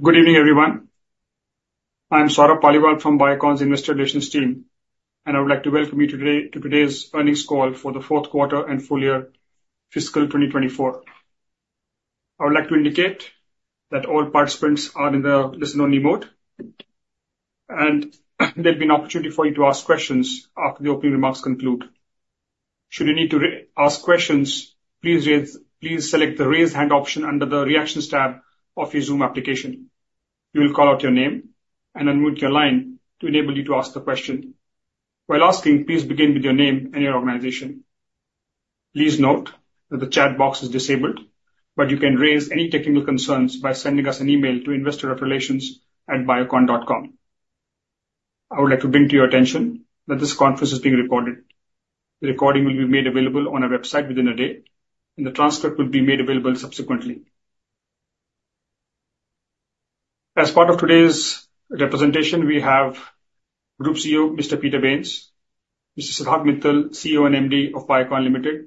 Good evening, everyone. I'm Saurabh Paliwal from Biocon's Investor Relations team, and I would like to welcome you today to today's Earnings Call for the fourth quarter and full year fiscal 2024. I would like to indicate that all participants are in the listen-only mode, and there'll be an opportunity for you to ask questions after the opening remarks conclude. Should you need to re-ask questions, please select the Raise Hand option under the Reactions tab of your Zoom application. We will call out your name and unmute your line to enable you to ask the question. While asking, please begin with your name and your organization. Please note that the chat box is disabled, but you can raise any technical concerns by sending us an email to investorrelations@biocon.com. I would like to bring to your attention that this conference is being recorded. The recording will be made available on our website within a day, and the transcript will be made available subsequently. As part of today's representation, we have Group CEO, Mr. Peter Bains, Mr. Siddharth Mittal, CEO and MD of Biocon Limited,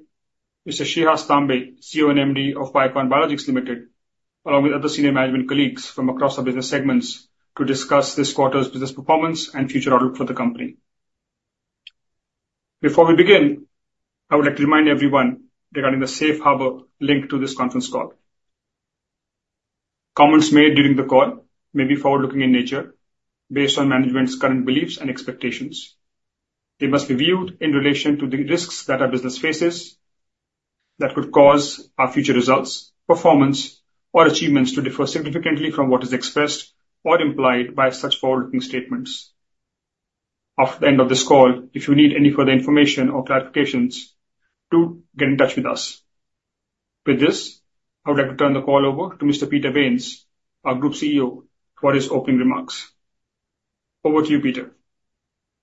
Mr. Shreehas Tambe, CEO and MD of Biocon Biologics Limited, along with other senior management colleagues from across our business segments, to discuss this quarter's business performance and future outlook for the company. Before we begin, I would like to remind everyone regarding the Safe Harbor link to this Conference Call. Comments made during the call may be forward-looking in nature based on management's current beliefs and expectations. They must be viewed in relation to the risks that our business faces that could cause our future results, performance, or achievements to differ significantly from what is expressed or implied by such forward-looking statements. After the end of this call, if you need any further information or clarifications, do get in touch with us. With this, I would like to turn the call over to Mr. Peter Bains, our Group CEO, for his opening remarks. Over to you, Peter.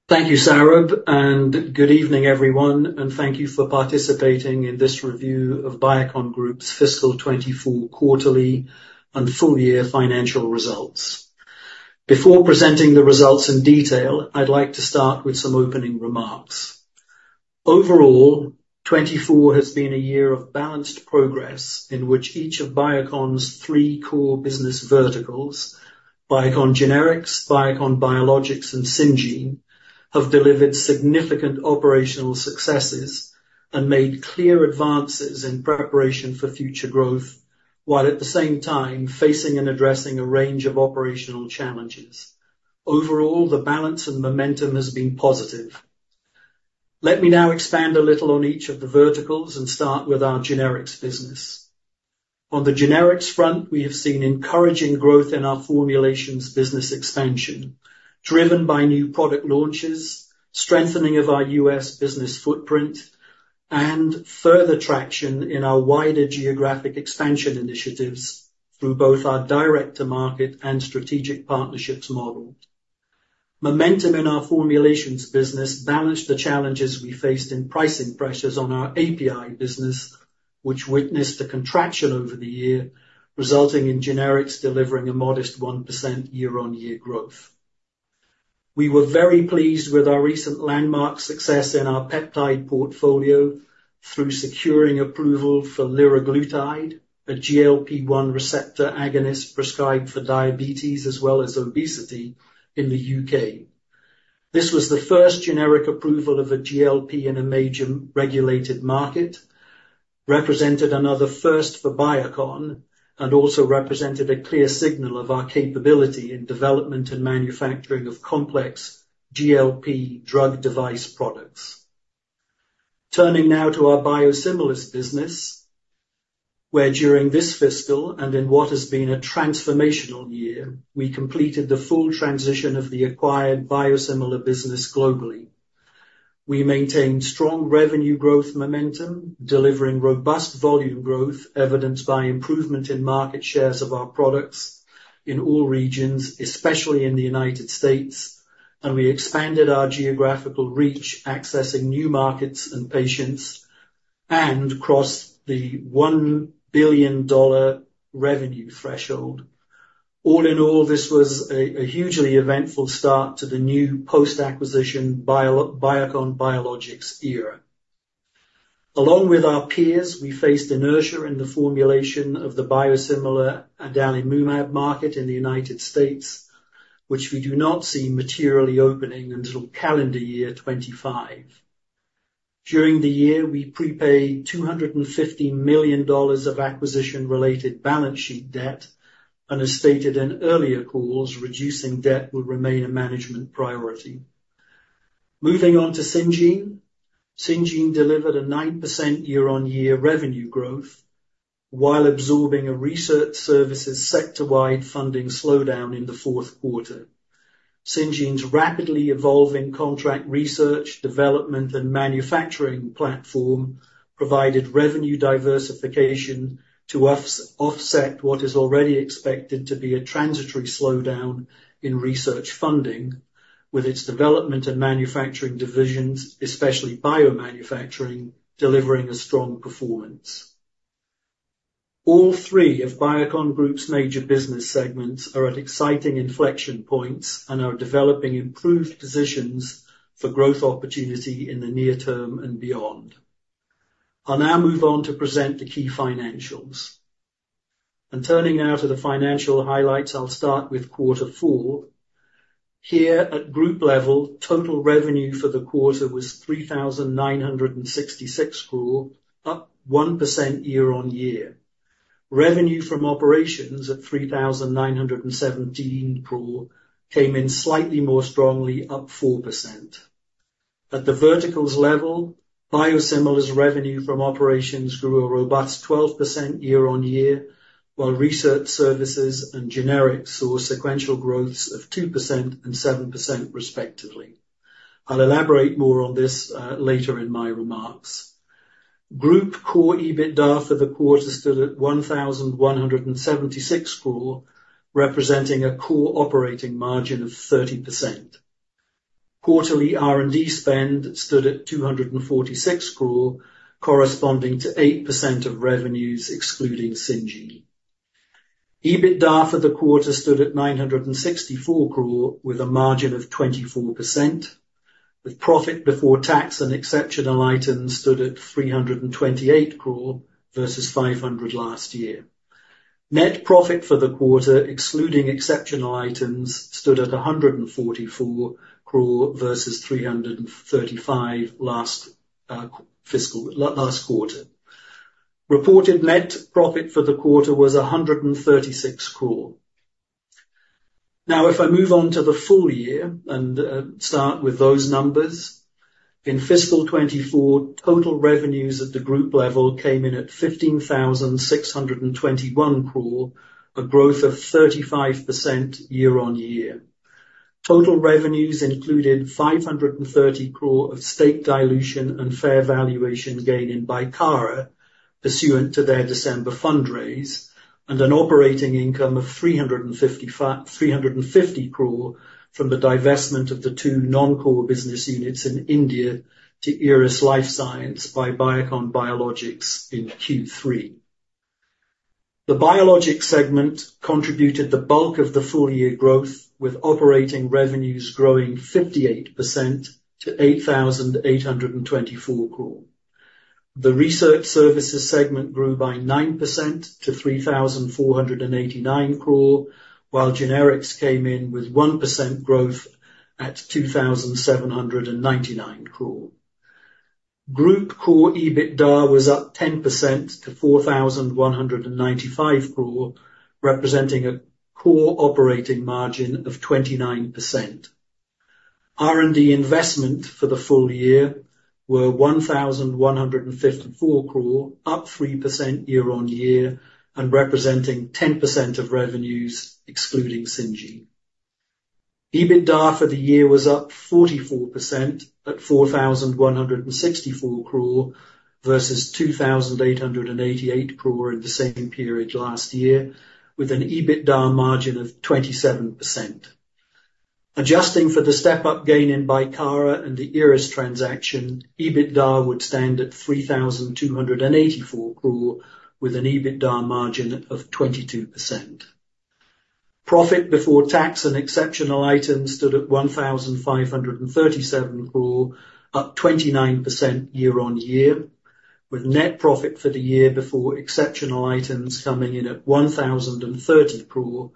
Thank you, Saurabh, and good evening, everyone, and thank you for participating in this review of Biocon Group's fiscal 2024 quarterly and full-year financial results. Before presenting the results in detail, I'd like to start with some opening remarks. Overall, 2024 has been a year of balanced progress in which each of Biocon's three core business verticals, Biocon Generics, Biocon Biologics, and Syngene, have delivered significant operational successes and made clear advances in preparation for future growth, while at the same time facing and addressing a range of operational challenges. Overall, the balance and momentum has been positive. Let me now expand a little on each of the verticals and start with our generics business. On the generics front, we have seen encouraging growth in our formulations business expansion, driven by new product launches, strengthening of our U.S. business footprint, and further traction in our wider geographic expansion initiatives through both our direct-to-market and strategic partnerships model. Momentum in our formulations business balanced the challenges we faced in pricing pressures on our API business, which witnessed a contraction over the year, resulting in generics delivering a modest 1% year-on-year growth. We were very pleased with our recent landmark success in our peptide portfolio through securing approval for liraglutide, a GLP-1 receptor agonist prescribed for diabetes as well as obesity in the U.K. This was the first generic approval of a GLP in a major regulated market, represented another first for Biocon, and also represented a clear signal of our capability in development and manufacturing of complex GLP drug device products. Turning now to our biosimilars business, where during this fiscal and in what has been a transformational year, we completed the full transition of the acquired biosimilar business globally. We maintained strong revenue growth momentum, delivering robust volume growth, evidenced by improvement in market shares of our products in all regions, especially in the United States, and we expanded our geographical reach, accessing new markets and patients, and crossed the $1 billion revenue threshold. All in all, this was a hugely eventful start to the new post-acquisition Biocon Biologics era. Along with our peers, we faced inertia in the formulation of the biosimilar adalimumab market in the United States, which we do not see materially opening until calendar year 2025. During the year, we prepaid $250 million of acquisition-related balance sheet debt, and as stated in earlier calls, reducing debt will remain a management priority. Moving on to Syngene. Syngene delivered a 9% year-on-year revenue growth while absorbing a research services sector-wide funding slowdown in the fourth quarter. Syngene's rapidly evolving contract research, development, and manufacturing platform provided revenue diversification to offset what is already expected to be a transitory slowdown in research funding, with its development and manufacturing divisions, especially biomanufacturing, delivering a strong performance. All three of Biocon Group's major business segments are at exciting inflection points and are developing improved positions for growth opportunity in the near-term and beyond. I'll now move on to present the key financials. Turning now to the financial highlights, I'll start with quarter four. Here, at group level, total revenue for the quarter was 3,966 crore, up 1% year-on-year. Revenue from operations at 3,917 crore came in slightly more strongly, up 4%. At the verticals level, biosimilars revenue from operations grew a robust 12% year-on-year, while research services and generics saw sequential growths of 2% and 7% respectively. I'll elaborate more on this, later in my remarks. Group core EBITDA for the quarter stood at 1,176 crore, representing a core operating margin of 30%. Quarterly R&D spend stood at 246 crore, corresponding to 8% of revenues, excluding Syngene. EBITDA for the quarter stood at 964 crore with a margin of 24%, with profit before tax and exceptional items stood at 328 crore versus 500 crore last year. Net profit for the quarter, excluding exceptional items, stood at 144 crore versus 335 crore last quarter. Reported net profit for the quarter was 136 crore. Now, if I move on to the full year and start with those numbers, in fiscal 2024, total revenues at the group level came in at 15,621 crore, a growth of 35% year-on-year. Total revenues included 530 crore of state dilution and fair valuation gain in Bicara, pursuant to their December fundraise, and an operating income of 350 crore from the divestment of the two non-core business units in India to Eris Lifesciences by Biocon Biologics in Q3. The biologics segment contributed the bulk of the full year growth, with operating revenues growing 58% to 8,824 crore. The research services segment grew by 9% to 3,489 crore, while generics came in with 1% growth at 2,799 crore. Group core EBITDA was up 10% to 4,195 crore, representing a core operating margin of 29%. R&D investment for the full year were 1,154 crore, up 3% year-on-year, and representing 10% of revenues, excluding Syngene. EBITDA for the year was up 44% at 4,164 crore versus 2,888 crore in the same period last year, with an EBITDA margin of 27%. Adjusting for the step-up gain in Bicara and the Eris transaction, EBITDA would stand at 3,284 crore with an EBITDA margin of 22%. Profit before tax and exceptional items stood at 1,537 crore, up 29% year-on-year, with net profit for the year before exceptional items coming in at 1,030 crore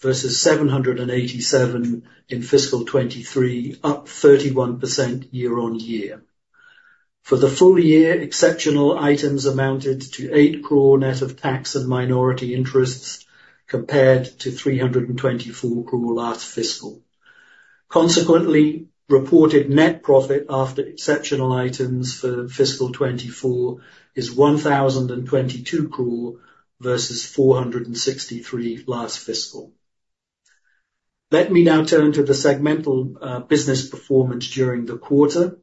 versus 787 in fiscal 2023, up 31% year-on-year. For the full year, exceptional items amounted to 8 crore net of tax and minority interests compared to 324 crore last fiscal. Consequently, reported net profit after exceptional items for fiscal 2024 is 1,022 crore versus 463 last fiscal. Let me now turn to the segmental business performance during the quarter,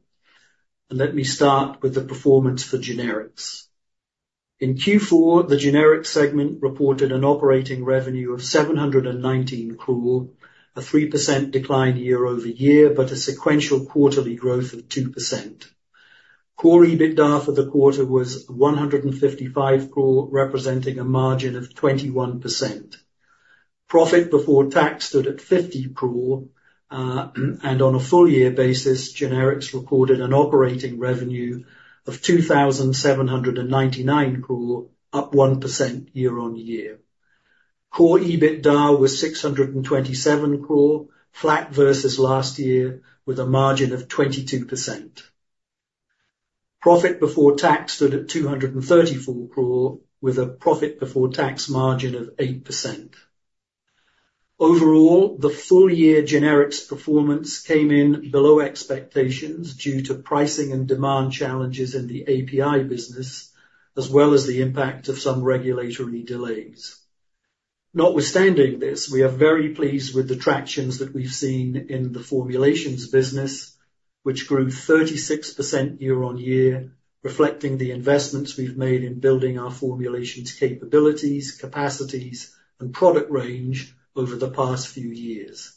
and let me start with the performance for generics. In Q4, the generics segment reported an operating revenue of 719 crore, a 3% decline year-over-year, but a sequential quarterly growth of 2%. Core EBITDA for the quarter was 155 crore, representing a margin of 21%. Profit before tax stood at 50 crore, and on a full year basis, generics recorded an operating revenue of 2,799 crore, up 1% year-on-year. Core EBITDA was 627 crore, flat versus last year, with a margin of 22%. Profit before tax stood at 234 crore, with a profit before tax margin of 8%. Overall, the full-year generics performance came in below expectations due to pricing and demand challenges in the API business, as well as the impact of some regulatory delays. Notwithstanding this, we are very pleased with the tractions that we've seen in the formulations business, which grew 36% year-on-year, reflecting the investments we've made in building our formulations capabilities, capacities, and product range over the past few years.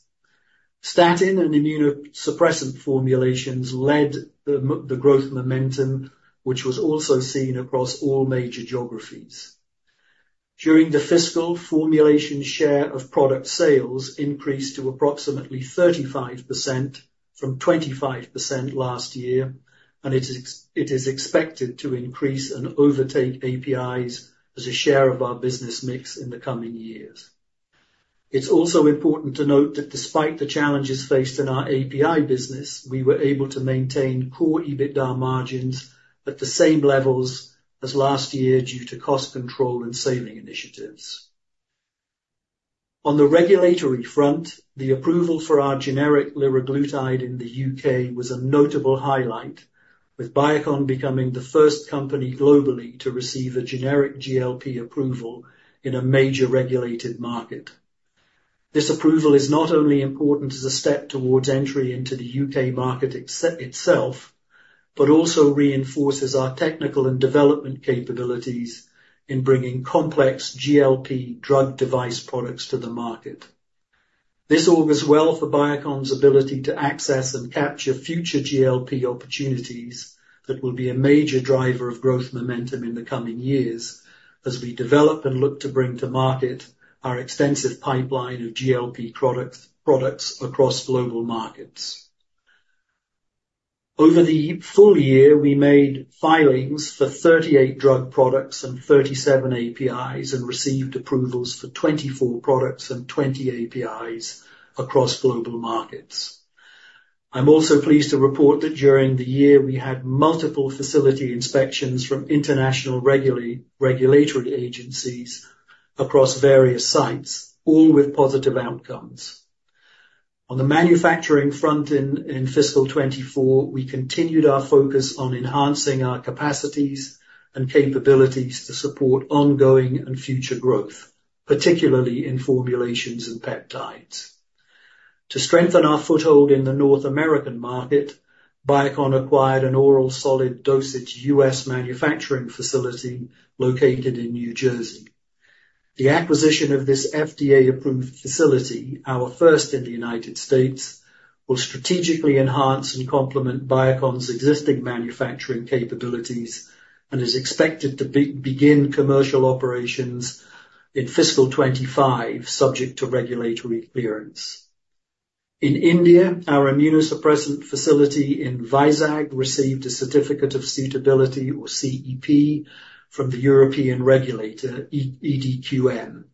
Statin and immunosuppressant formulations led the growth momentum, which was also seen across all major geographies. During the fiscal formulation share of product sales increased to approximately 35% from 25% last year, and it is, it is expected to increase and overtake APIs as a share of our business mix in the coming years. It's also important to note that despite the challenges faced in our API business, we were able to maintain Core EBITDA margins at the same levels as last year due to cost control and saving initiatives. On the regulatory front, the approval for our generic liraglutide in the U.K. was a notable highlight, with Biocon becoming the first company globally to receive a generic GLP approval in a major regulated market. This approval is not only important as a step towards entry into the U.K. market itself, but also reinforces our technical and development capabilities in bringing complex GLP drug device products to the market. This augurs well for Biocon's ability to access and capture future GLP opportunities that will be a major driver of growth momentum in the coming years, as we develop and look to bring to market our extensive pipeline of GLP products, products across global markets. Over the full year, we made filings for 38 drug products and 37 APIs, and received approvals for 24 products and 20 APIs across global markets. I'm also pleased to report that during the year, we had multiple facility inspections from international regulatory agencies across various sites, all with positive outcomes. On the manufacturing front in fiscal 2024, we continued our focus on enhancing our capacities and capabilities to support ongoing and future growth, particularly in formulations and peptides. To strengthen our foothold in the North American market, Biocon acquired an oral solid dosage U.S. manufacturing facility located in New Jersey. The acquisition of this FDA-approved facility, our first in the United States, will strategically enhance and complement Biocon's existing manufacturing capabilities and is expected to begin commercial operations in fiscal 25, subject to regulatory clearance. In India, our immunosuppressant facility in Vizag received a certificate of suitability, or CEP, from the European regulator, EDQM.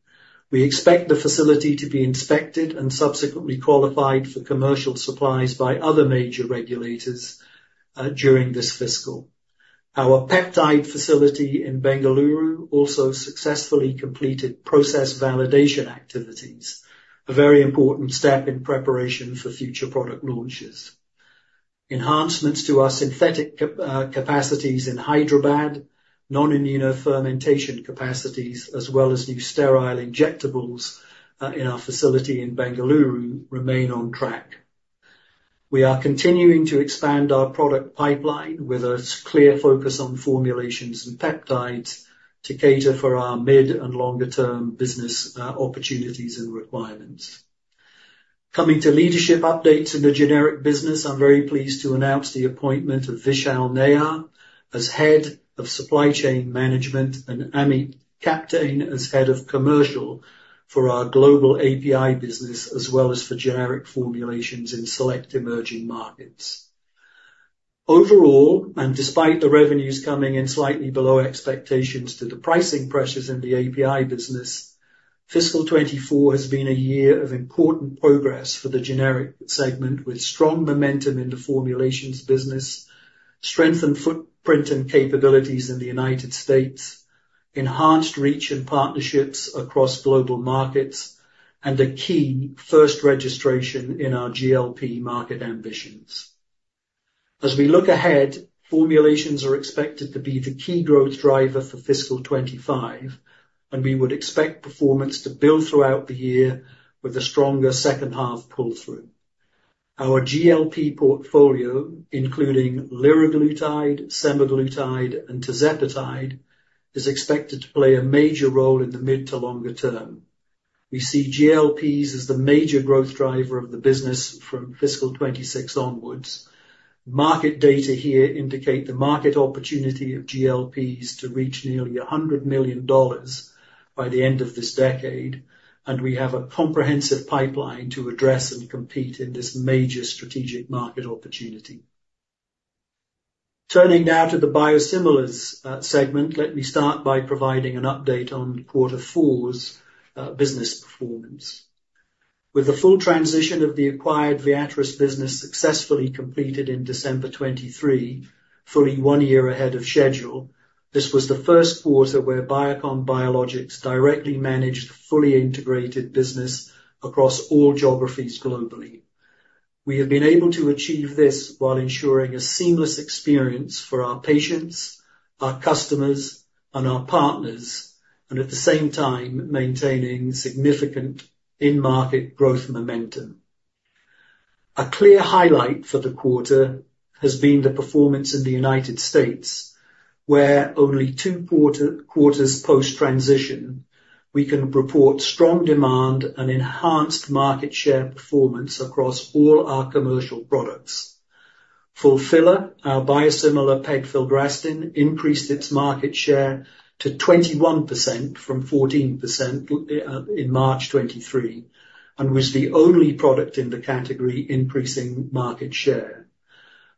We expect the facility to be inspected and subsequently qualified for commercial supplies by other major regulators, during this fiscal. Our peptide facility in Bengaluru also successfully completed process validation activities, a very important step in preparation for future product launches. Enhancements to our synthetic capacities in Hyderabad, non-immuno fermentation capacities, as well as new sterile injectables, in our facility in Bengaluru, remain on track. We are continuing to expand our product pipeline with a clear focus on formulations and peptides to cater for our mid and longer term business, opportunities and requirements. Coming to leadership updates in the generic business, I'm very pleased to announce the appointment of Vishal Nair as Head of Supply Chain Management, and Amit Kaptain as Head of Commercial for our global API business, as well as for generic formulations in select emerging markets. Overall, and despite the revenues coming in slightly below expectations due to the pricing pressures in the API business, fiscal 2024 has been a year of important progress for the generic segment, with strong momentum in the formulations business, strengthened footprint and capabilities in the United States, enhanced reach and partnerships across global markets, and a key first registration in our GLP market ambitions. As we look ahead, formulations are expected to be the key growth driver for fiscal 25, and we would expect performance to build throughout the year with a stronger second half pull-through. Our GLP portfolio, including liraglutide, semaglutide, and tirzepatide, is expected to play a major role in the mid to longer term. We see GLPs as the major growth driver of the business from fiscal 26 onwards. Market data here indicate the market opportunity of GLPs to reach nearly $100 million by the end of this decade, and we have a comprehensive pipeline to address and compete in this major strategic market opportunity. Turning now to the biosimilars segment, let me start by providing an update on quarter 4's business performance. With the full transition of the acquired Viatris business successfully completed in December 2023, fully one year ahead of schedule, this was the first quarter where Biocon Biologics directly managed the fully integrated business across all geographies globally. We have been able to achieve this while ensuring a seamless experience for our patients, our customers, and our partners, and at the same time, maintaining significant in-market growth momentum. A clear highlight for the quarter has been the performance in the United States, where only two quarters post-transition, we can report strong demand and enhanced market share performance across all our commercial products. Fulphila, our biosimilar pegfilgrastim, increased its market share to 21% from 14% in March 2023, and was the only product in the category increasing market share.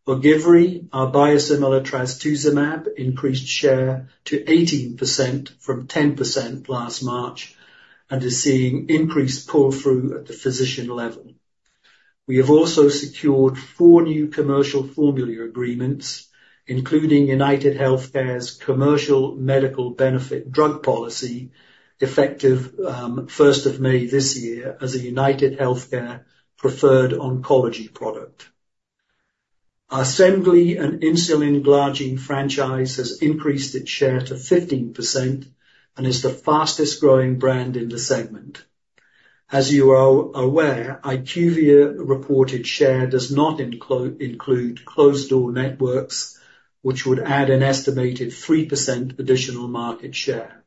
Ogivri, our biosimilar trastuzumab, increased share to 18% from 10% last March and is seeing increased pull-through at the physician level. We have also secured four new commercial formulary agreements, including UnitedHealthcare's Commercial Medical Benefit drug policy, effective first of May this year as a UnitedHealthcare preferred oncology product. Our Semglee and insulin glargine franchise has increased its share to 15% and is the fastest growing brand in the segment. As you are aware, IQVIA reported share does not include closed-door networks, which would add an estimated 3% additional market share.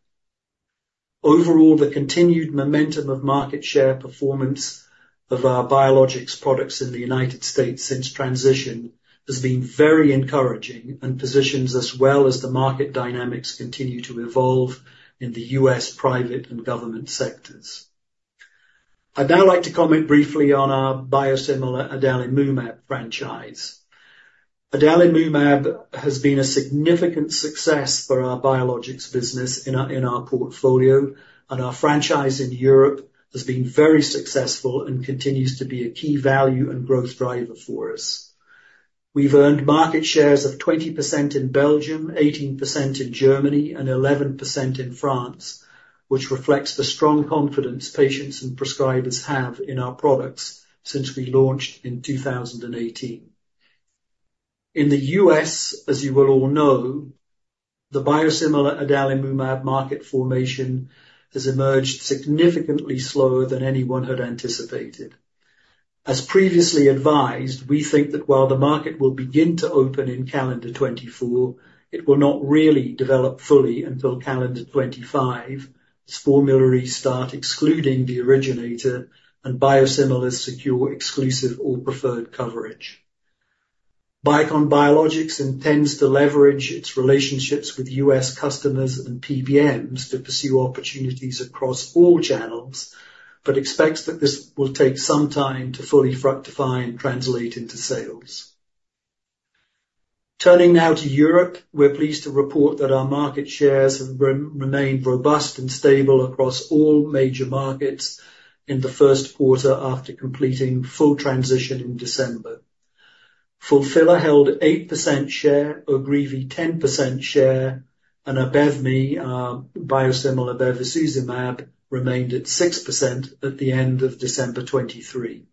Overall, the continued momentum of market share performance of our biologics products in the United States since transition has been very encouraging and positions us well as the market dynamics continue to evolve in the U.S. private and government sectors. I'd now like to comment briefly on our biosimilar adalimumab franchise. Adalimumab has been a significant success for our biologics business in our portfolio, and our franchise in Europe has been very successful and continues to be a key value and growth driver for us. We've earned market shares of 20% in Belgium, 18% in Germany, and 11% in France, which reflects the strong confidence patients and prescribers have in our products since we launched in 2018. In the U.S., as you will all know, the biosimilar adalimumab market formation has emerged significantly slower than anyone had anticipated. As previously advised, we think that while the market will begin to open in calendar 2024, it will not really develop fully until calendar 2025's formulary start, excluding the originator and biosimilars secure exclusive or preferred coverage. Biocon Biologics intends to leverage its relationships with U.S. customers and PBMs to pursue opportunities across all channels, but expects that this will take some time to fully fructify and translate into sales. Turning now to Europe, we're pleased to report that our market shares have remained robust and stable across all major markets in the first quarter after completing full transition in December. Fulphila held 8% share, Ogivri 10% share, and Abevmy, our biosimilar bevacizumab, remained at 6% at the end of December 2023.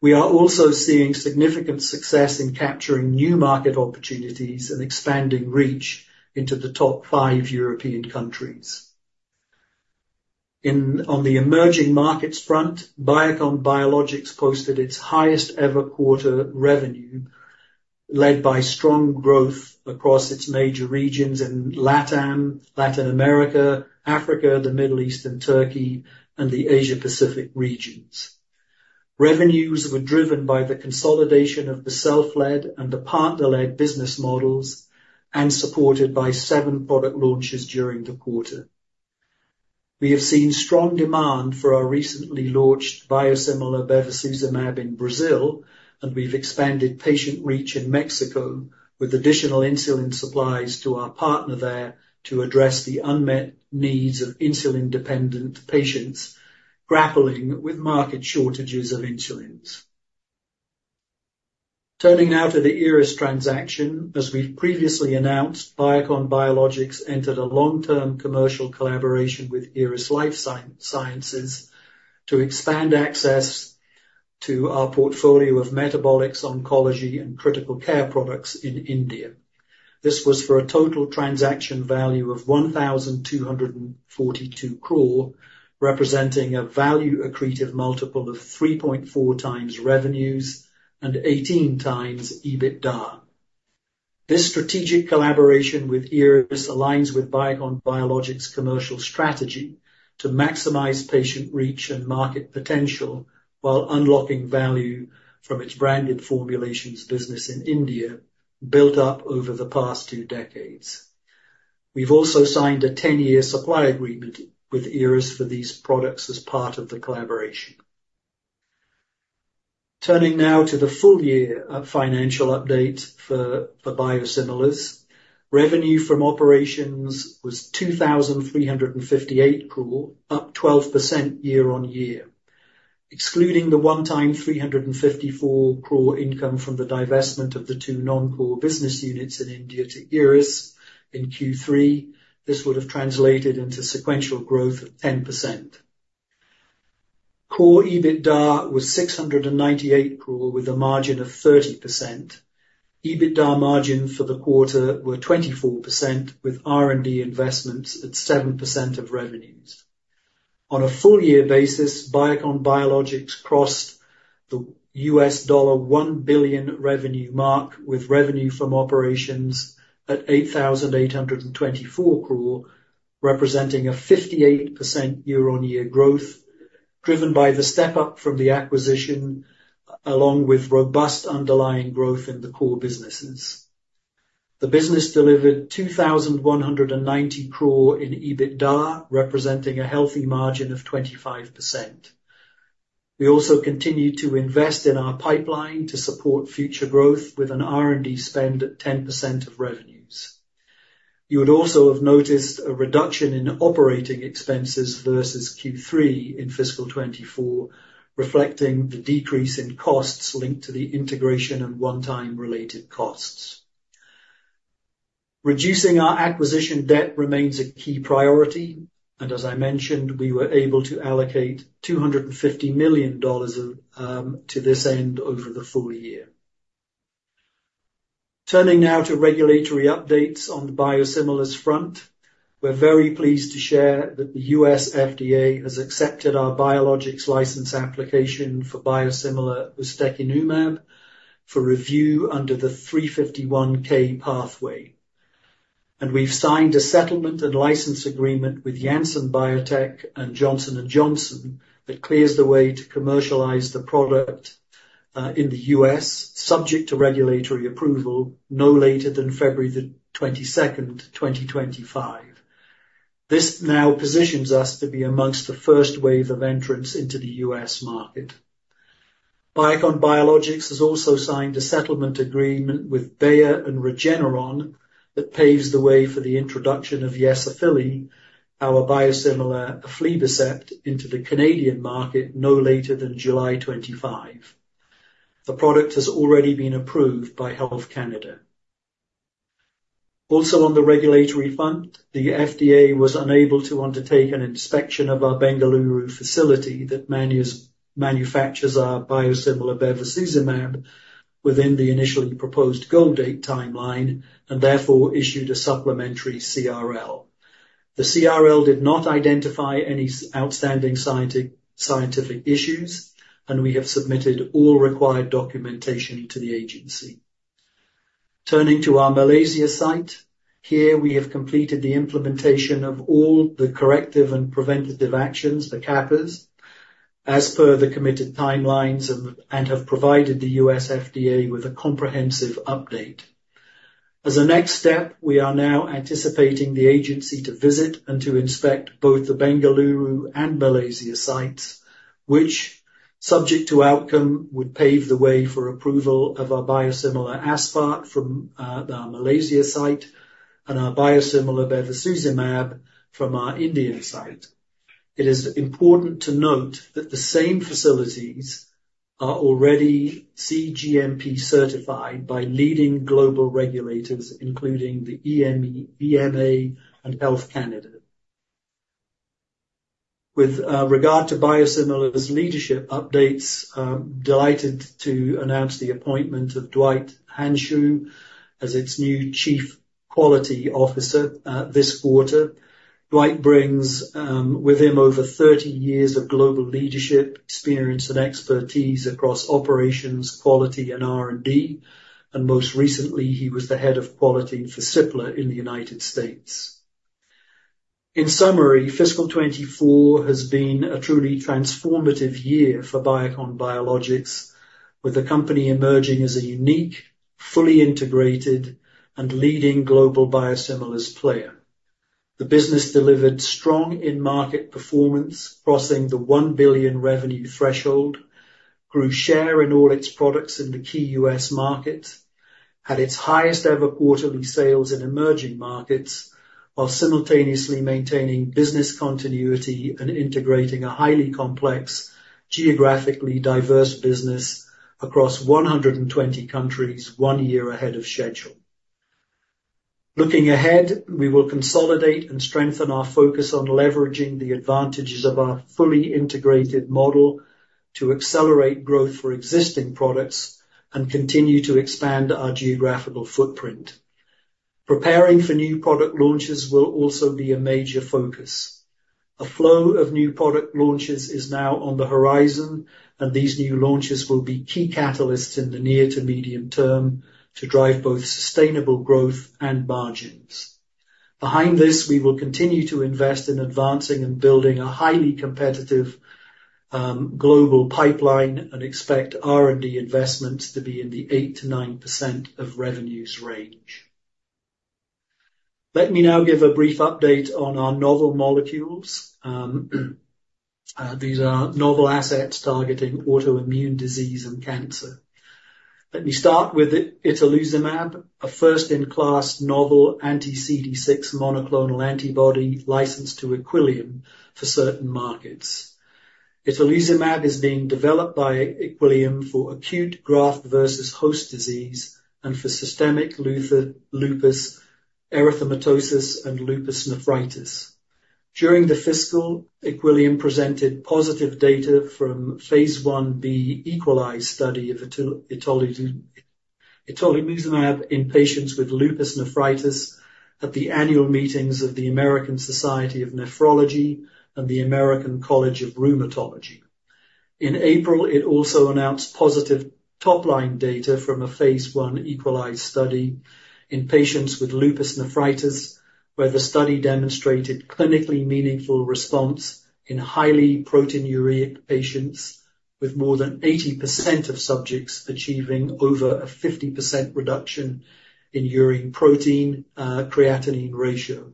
We are also seeing significant success in capturing new market opportunities and expanding reach into the top five European countries. On the emerging markets front, Biocon Biologics posted its highest ever quarter revenue, led by strong growth across its major regions in LATAM, Latin America, Africa, the Middle East and Turkey, and the Asia Pacific regions. Revenues were driven by the consolidation of the self-led and the partner-led business models and supported by seven product launches during the quarter. We have seen strong demand for our recently launched biosimilar bevacizumab in Brazil, and we've expanded patient reach in Mexico with additional insulin supplies to our partner there to address the unmet needs of insulin-dependent patients grappling with market shortages of insulins. Turning now to the Eris transaction. As we've previously announced, Biocon Biologics entered a long-term commercial collaboration with Eris Lifesciences to expand access to our portfolio of metabolics, oncology, and critical care products in India. This was for a total transaction value of 1,242 crore, representing a value accretive multiple of 3.4x revenues and 18x EBITDA. This strategic collaboration with Eris aligns with Biocon Biologics' commercial strategy to maximize patient reach and market potential while unlocking value from its branded formulations business in India, built up over the past two decades. We've also signed a ten-year supply agreement with Eris for these products as part of the collaboration. Turning now to the full year financial update for biosimilars. Revenue from operations was 2,358 crore, up 12% year-on-year. Excluding the one-time 354 crore income from the divestment of the two non-core business units in India to Eris Eris in Q3, this would have translated into sequential growth of 10%. Core EBITDA was 698 crore with a margin of 30%. EBITDA margins for the quarter were 24%, with R&D investments at 7% of revenues. On a full year basis, Biocon Biologics crossed the U.S. dollar $1 billion revenue mark, with revenue from operations at 8,824 crore, representing a 58% year-on-year growth... driven by the step-up from the acquisition, along with robust underlying growth in the core businesses. The business delivered 2,190 crore in EBITDA, representing a healthy margin of 25%. We also continued to invest in our pipeline to support future growth with an R&D spend at 10% of revenues. You would also have noticed a reduction in operating expenses versus Q3 in fiscal 2024, reflecting the decrease in costs linked to the integration and one-time related costs. Reducing our acquisition debt remains a key priority, and as I mentioned, we were able to allocate $250 million to this end over the full year. Turning now to regulatory updates on the biosimilars front. We're very pleased to share that the U.S. FDA has accepted our biologics license application for biosimilar ustekinumab for review under the 351(k) pathway. We've signed a settlement and license agreement with Janssen Biotech and Johnson & Johnson, that clears the way to commercialize the product, in the U.S., subject to regulatory approval, no later than February 22, 2025. This now positions us to be amongst the first wave of entrants into the U.S. market. Biocon Biologics has also signed a settlement agreement with Bayer and Regeneron, that paves the way for the introduction of Yesafili, our biosimilar aflibercept, into the Canadian market, no later than July 2025. The product has already been approved by Health Canada. Also, on the regulatory front, the FDA was unable to undertake an inspection of our Bengaluru facility that manufactures our biosimilar bevacizumab within the initially proposed go date timeline, and therefore issued a supplementary CRL. The CRL did not identify any outstanding scientific issues, and we have submitted all required documentation to the agency. Turning to our Malaysia site, here we have completed the implementation of all the corrective and preventative actions, the CAPAs, as per the committed timelines and have provided the U.S. FDA with a comprehensive update. As a next step, we are now anticipating the agency to visit and to inspect both the Bengaluru and Malaysia sites, which, subject to outcome, would pave the way for approval of our biosimilar aspart from our Malaysia site and our biosimilar bevacizumab from our Indian site. It is important to note that the same facilities are already cGMP certified by leading global regulators, including the EMA and Health Canada. With regard to biosimilars leadership updates, delighted to announce the appointment of Dwight Hanshew as its new Chief Quality Officer this quarter. Dwight brings with him over 30 years of global leadership experience and expertise across operations, quality, and R&D. And most recently, he was the Head of Quality for Cipla in the United States. In summary, fiscal 2024 has been a truly transformative year for Biocon Biologics, with the company emerging as a unique, fully integrated, and leading global biosimilars player. The business delivered strong in-market performance, crossing the $1 billion revenue threshold, grew share in all its products in the key U.S. markets, had its highest ever quarterly sales in emerging markets, while simultaneously maintaining business continuity and integrating a highly complex, geographically diverse business across 120 countries, 1 year ahead of schedule. Looking ahead, we will consolidate and strengthen our focus on leveraging the advantages of our fully integrated model to accelerate growth for existing products and continue to expand our geographical footprint. Preparing for new product launches will also be a major focus. A flow of new product launches is now on the horizon, and these new launches will be key catalysts in the near to medium term to drive both sustainable growth and margins. Behind this, we will continue to invest in advancing and building a highly competitive, global pipeline, and expect R&D investments to be in the 8%-9% of revenues range. Let me now give a brief update on our novel molecules. These are novel assets targeting autoimmune disease and cancer. Let me start with itolizumab, a first-in-class novel anti-CD6 monoclonal antibody licensed to Equillium for certain markets. Itolizumab is being developed by Equillium for acute graft versus host disease and for systemic lupus erythematosus and lupus nephritis. During the fiscal, Equillium presented positive data from phase Ib EQUALIZE study of itolizumab in patients with lupus nephritis at the annual meetings of the American Society of Nephrology and the American College of Rheumatology. In April, it also announced positive top-line data from a phase I EQUALIZE study in patients with lupus nephritis, where the study demonstrated clinically meaningful response in highly proteinuria patients, with more than 80% of subjects achieving over a 50% reduction in urine protein, creatinine ratio.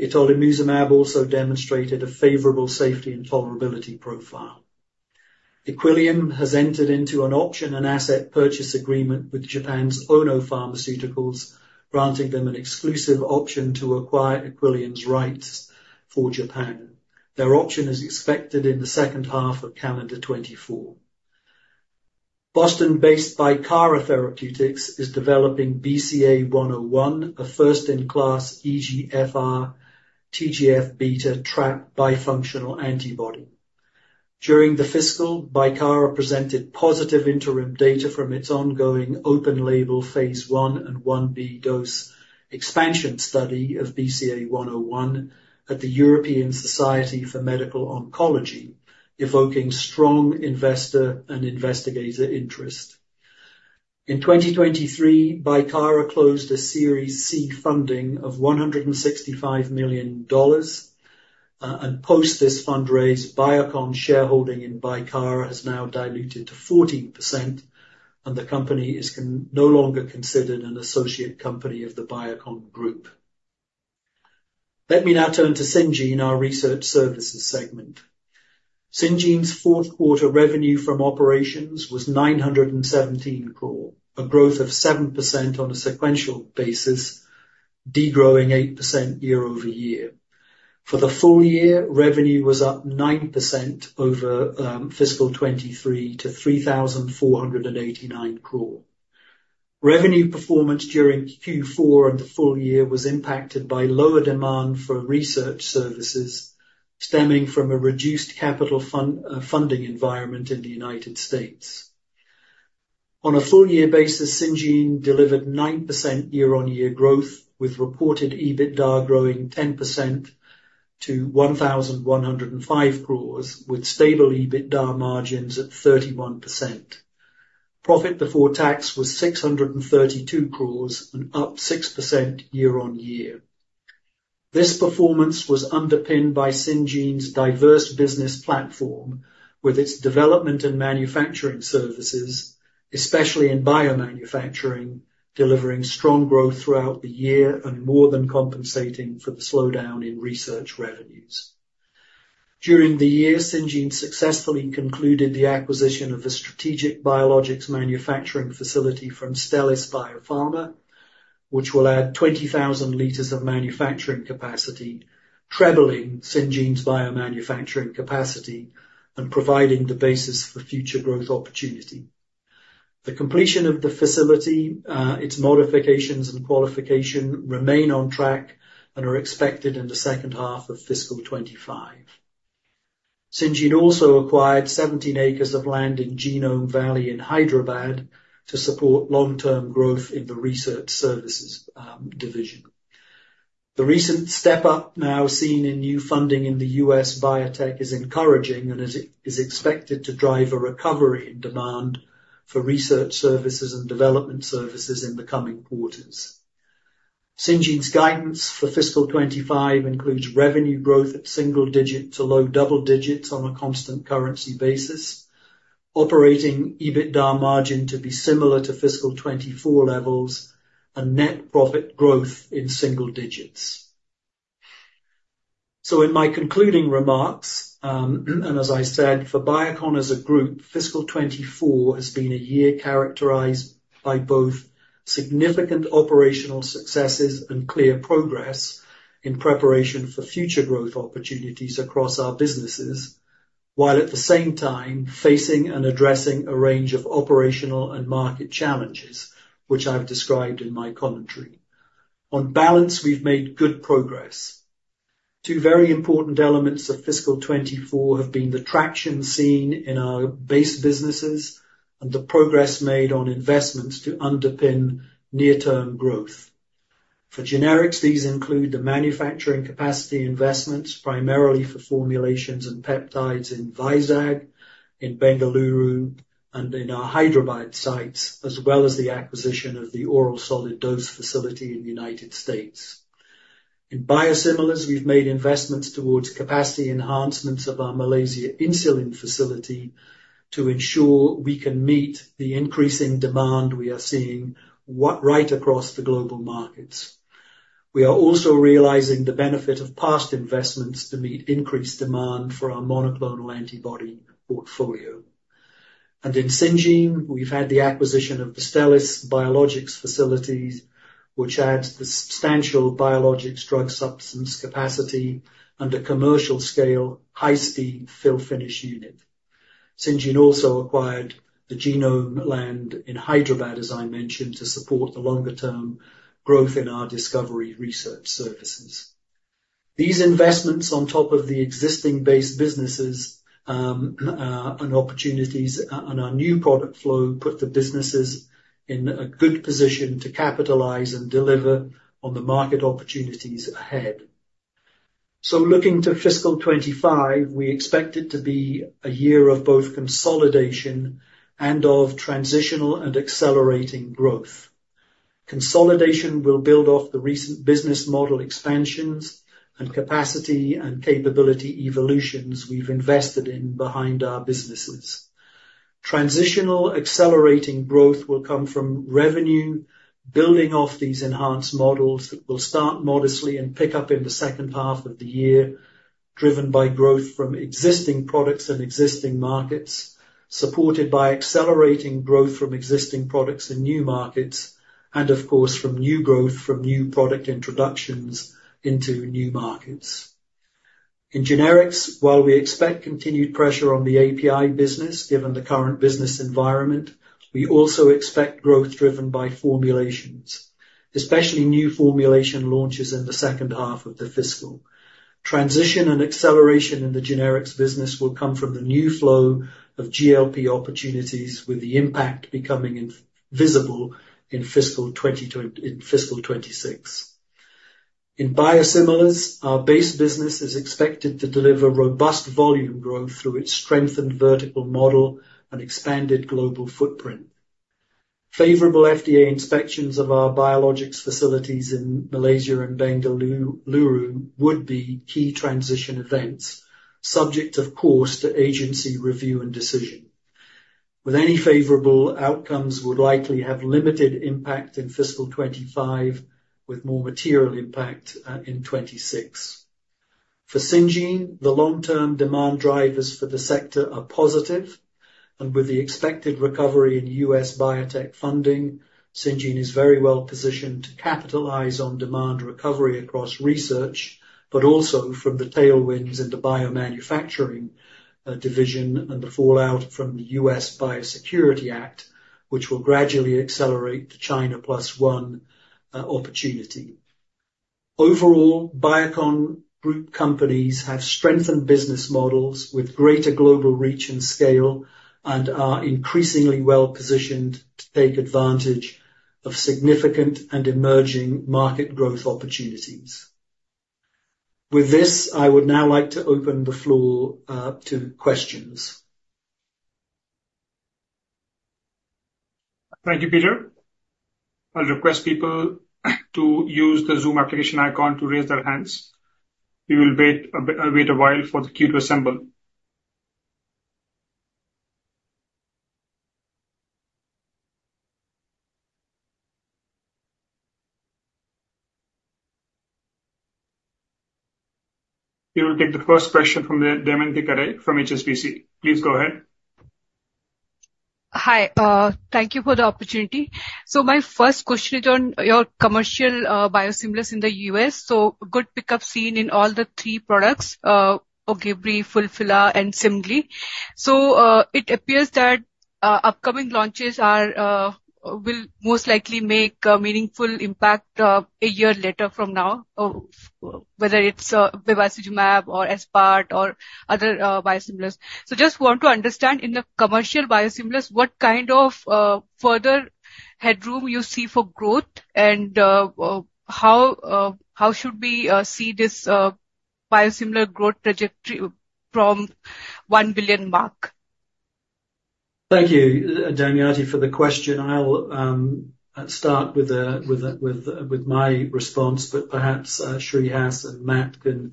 Itolizumab also demonstrated a favorable safety and tolerability profile. Equillium has entered into an option and asset purchase agreement with Japan's Ono Pharmaceutical, granting them an exclusive option to acquire Equillium's rights for Japan. Their option is expected in the second half of calendar 2024. Boston-based Bicara Therapeutics is developing BCA-101, a first-in-class EGFR TGF-beta trap bifunctional antibody. During the fiscal, Bicara presented positive interim data from its ongoing open label phase I and Ib dose expansion study of BCA-101 at the European Society for Medical Oncology, evoking strong investor and investigator interest. In 2023, Bicara closed a Series C funding of $165 million, and post this fundraise, Biocon's shareholding in Bicara has now diluted to 14%, and the company is no longer considered an associate company of the Biocon Group. Let me now turn to Syngene, our research services segment. Syngene's fourth quarter revenue from operations was 917 crore, a growth of 7% on a sequential basis, degrowing 8% year-over-year. For the full year, revenue was up 9% over fiscal 2023 to 3,489 crore. Revenue performance during Q4 and the full year was impacted by lower demand for research services, stemming from a reduced capital funding environment in the United States. On a full year basis, Syngene delivered 9% year-on-year growth, with reported EBITDA growing 10% to 1,105 crores, with stable EBITDA margins at 31%. Profit before tax was 632 crores and up 6% year-on-year. This performance was underpinned by Syngene's diverse business platform, with its development and manufacturing services, especially in biomanufacturing, delivering strong growth throughout the year and more than compensating for the slowdown in research revenues. During the year, Syngene successfully concluded the acquisition of the strategic biologics manufacturing facility from Stelis Biopharma, which will add 20,000 liters of manufacturing capacity, trebling Syngene's biomanufacturing capacity and providing the basis for future growth opportunity. The completion of the facility, its modifications and qualification remain on track and are expected in the second half of fiscal 2025. Syngene also acquired 17 acres of land in Genome Valley in Hyderabad to support long-term growth in the research services division. The recent step-up now seen in new funding in the U.S. biotech is encouraging and is expected to drive a recovery in demand for research services and development services in the coming quarters. Syngene's guidance for fiscal 2025 includes revenue growth at single digit to low double digits on a constant currency basis, operating EBITDA margin to be similar to fiscal 2024 levels, and net profit growth in single digits. So in my concluding remarks, and as I said, for Biocon as a group, fiscal 2024 has been a year characterized by both significant operational successes and clear progress in preparation for future growth opportunities across our businesses, while at the same time, facing and addressing a range of operational and market challenges, which I've described in my commentary. On balance, we've made good progress. Two very important elements of fiscal 2024 have been the traction seen in our base businesses and the progress made on investments to underpin near-term growth. For generics, these include the manufacturing capacity investments, primarily for formulations and peptides in Vizag, in Bengaluru, and in our Hyderabad sites, as well as the acquisition of the oral solid dose facility in the United States. In biosimilars, we've made investments towards capacity enhancements of our Malaysia insulin facility to ensure we can meet the increasing demand we are seeing right across the global markets. We are also realizing the benefit of past investments to meet increased demand for our monoclonal antibody portfolio. And in Syngene, we've had the acquisition of the Stelis biologics facilities, which adds the substantial biologics drug substance capacity and a commercial scale, high-speed fill finish unit. Syngene also acquired the Genome Valley land in Hyderabad, as I mentioned, to support the longer-term growth in our discovery research services. These investments on top of the existing base businesses, and opportunities and our new product flow, put the businesses in a good position to capitalize and deliver on the market opportunities ahead... So looking to fiscal 2025, we expect it to be a year of both consolidation and of transitional and accelerating growth. Consolidation will build off the recent business model expansions and capacity and capability evolutions we've invested in behind our businesses. Transitional accelerating growth will come from revenue, building off these enhanced models that will start modestly and pick up in the second half of the year, driven by growth from existing products and existing markets, supported by accelerating growth from existing products in new markets and, of course, from new growth from new product introductions into new markets. In generics, while we expect continued pressure on the API business, given the current business environment, we also expect growth driven by formulations, especially new formulation launches in the second half of the fiscal. Transition and acceleration in the generics business will come from the new flow of GLP opportunities, with the impact becoming visible in fiscal 2026. In biosimilars, our base business is expected to deliver robust volume growth through its strengthened vertical model and expanded global footprint. Favorable FDA inspections of our biologics facilities in Malaysia and Bengaluru would be key transition events, subject, of course, to agency review and decision. With any favorable outcomes would likely have limited impact in fiscal 2025, with more material impact in 2026. For Syngene, the long-term demand drivers for the sector are positive, and with the expected recovery in U.S. biotech funding, Syngene is very well positioned to capitalize on demand recovery across research, but also from the tailwinds in the biomanufacturing, division and the fallout from the U.S. Biosecurity Act, which will gradually accelerate the China Plus One, opportunity. Overall, Biocon Group companies have strengthened business models with greater global reach and scale and are increasingly well positioned to take advantage of significant and emerging market growth opportunities. With this, I would now like to open the floor, to questions. Thank you, Peter. I'll request people to use the Zoom application icon to raise their hands. We will wait a while for the queue to assemble. We will take the first question from Damayanti Kerai from HSBC. Please go ahead. Hi, thank you for the opportunity. My first question is on your commercial biosimilars in the U.S. Good pickup seen in all the three products, Ogivri, Fulphila, and Semglee. It appears that upcoming launches will most likely make a meaningful impact a year later from now, whether it's bevacizumab or aspart or other biosimilars. Just want to understand, in the commercial biosimilars, what kind of further headroom you see for growth and how should we see this biosimilar growth trajectory from $1 billion mark? Thank you, Damayanti, for the question. I'll start with my response, but perhaps Shreehas and Matt can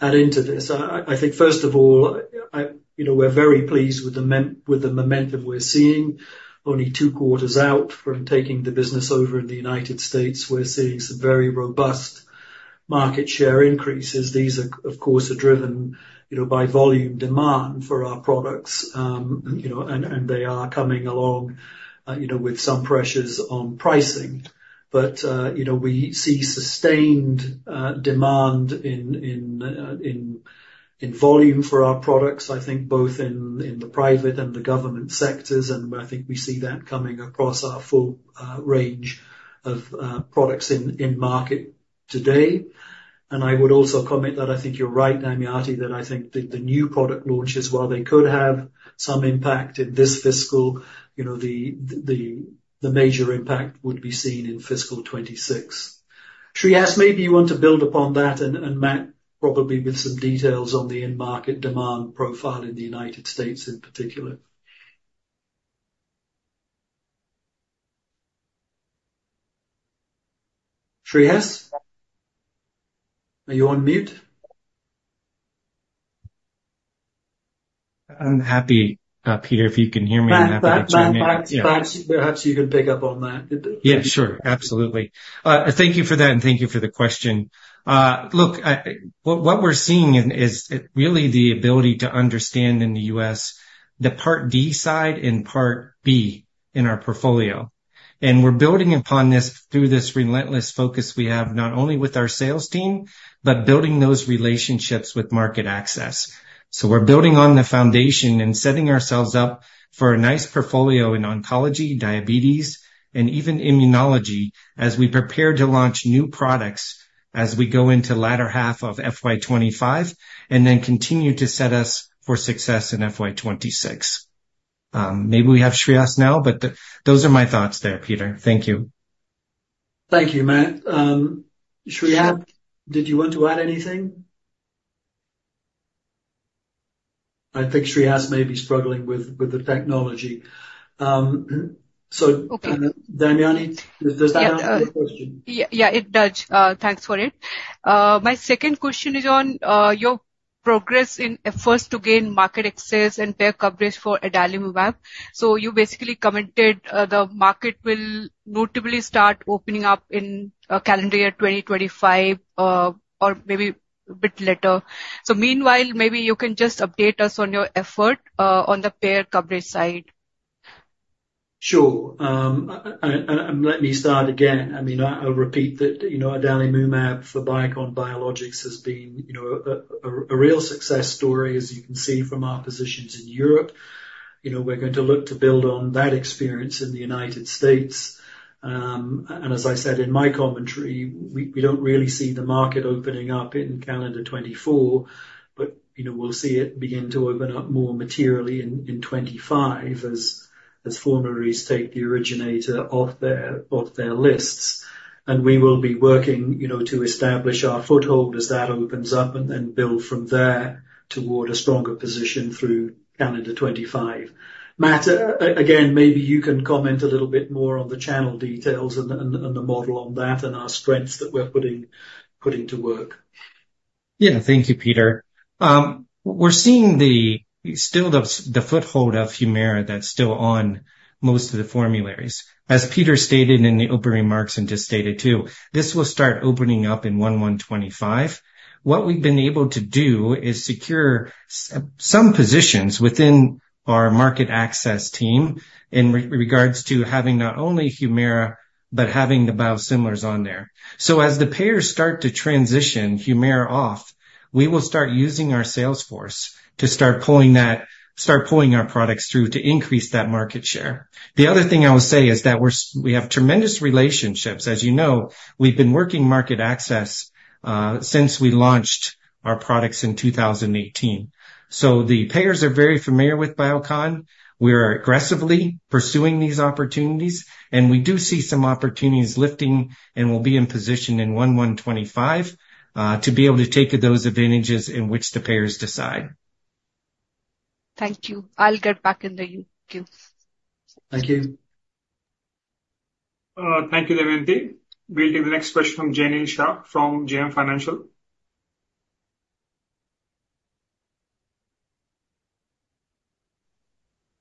add into this. I think, first of all, you know, we're very pleased with the momentum we're seeing. Only two quarters out from taking the business over in the United States, we're seeing some very robust market share increases. These are, of course, driven, you know, by volume demand for our products, and they are coming along, you know, with some pressures on pricing. But, you know, we see sustained demand in volume for our products, I think both in the private and the government sectors, and I think we see that coming across our full range of products in market today. I would also comment that I think you're right, Damayanti, that I think the new product launches, while they could have some impact in this fiscal, you know, the major impact would be seen in fiscal 2026. Shreehas, maybe you want to build upon that, and Matt, probably with some details on the end market demand profile in the United States in particular. Shreehas, are you on mute? I'm happy, Peter, if you can hear me, I'm happy to chime in. Matt, Matt, Matt, Matt, perhaps you can pick up on that. Yeah, sure. Absolutely. Thank you for that, and thank you for the question. Look, what we're seeing is really the ability to understand in the U.S., the Part D side and Part B in our portfolio, and we're building upon this through this relentless focus we have, not only with our sales team, but building those relationships with market access. So we're building on the foundation and setting ourselves up for a nice portfolio in oncology, diabetes, and even immunology as we prepare to launch new products as we go into latter half of FY 25, and then continue to set us for success in FY 26. Maybe we have Shreehas now, but those are my thoughts there, Peter. Thank you. Thank you, Matt. Shreehas, did you want to add anything? I think Shreehas may be struggling with the technology. So- Okay. Damayanti, does that answer your question? Yeah, yeah, it does. Thanks for it. My second question is on your progress in efforts to gain market access and payer coverage for adalimumab. So you basically commented, the market will notably start opening up in calendar year 2025, or maybe a bit later. So meanwhile, maybe you can just update us on your effort on the payer coverage side. Sure. And let me start again. I mean, I'll repeat that, you know, adalimumab for Biocon Biologics has been, you know, a real success story, as you can see from our positions in Europe. You know, we're going to look to build on that experience in the United States. And as I said in my commentary, we don't really see the market opening up in calendar 2024, but, you know, we'll see it begin to open up more materially in 2025 as formularies take the originator off their lists. And we will be working, you know, to establish our foothold as that opens up and then build from there toward a stronger position through calendar 2025. Matt, again, maybe you can comment a little bit more on the channel details and the model on that and our strengths that we're putting to work. Yeah. Thank you, Peter. We're seeing still the foothold of Humira that's still on most of the formularies. As Peter stated in the opening remarks and just stated, too, this will start opening up in 2025. What we've been able to do is secure some positions within our market access team in regards to having not only Humira, but having the biosimilars on there. So as the payers start to transition Humira off, we will start using our sales force to start pulling our products through to increase that market share. The other thing I will say is that we have tremendous relationships. As you know, we've been working market access since we launched our products in 2018. So the payers are very familiar with Biocon. We are aggressively pursuing these opportunities, and we do see some opportunities lifting, and we'll be in position in Q1 2025 to be able to take those advantages in which the payers decide. Thank you. I'll get back in the queue. Thank you. Thank you, Damayanti. We'll take the next question from Jainil Shah from JM Financial.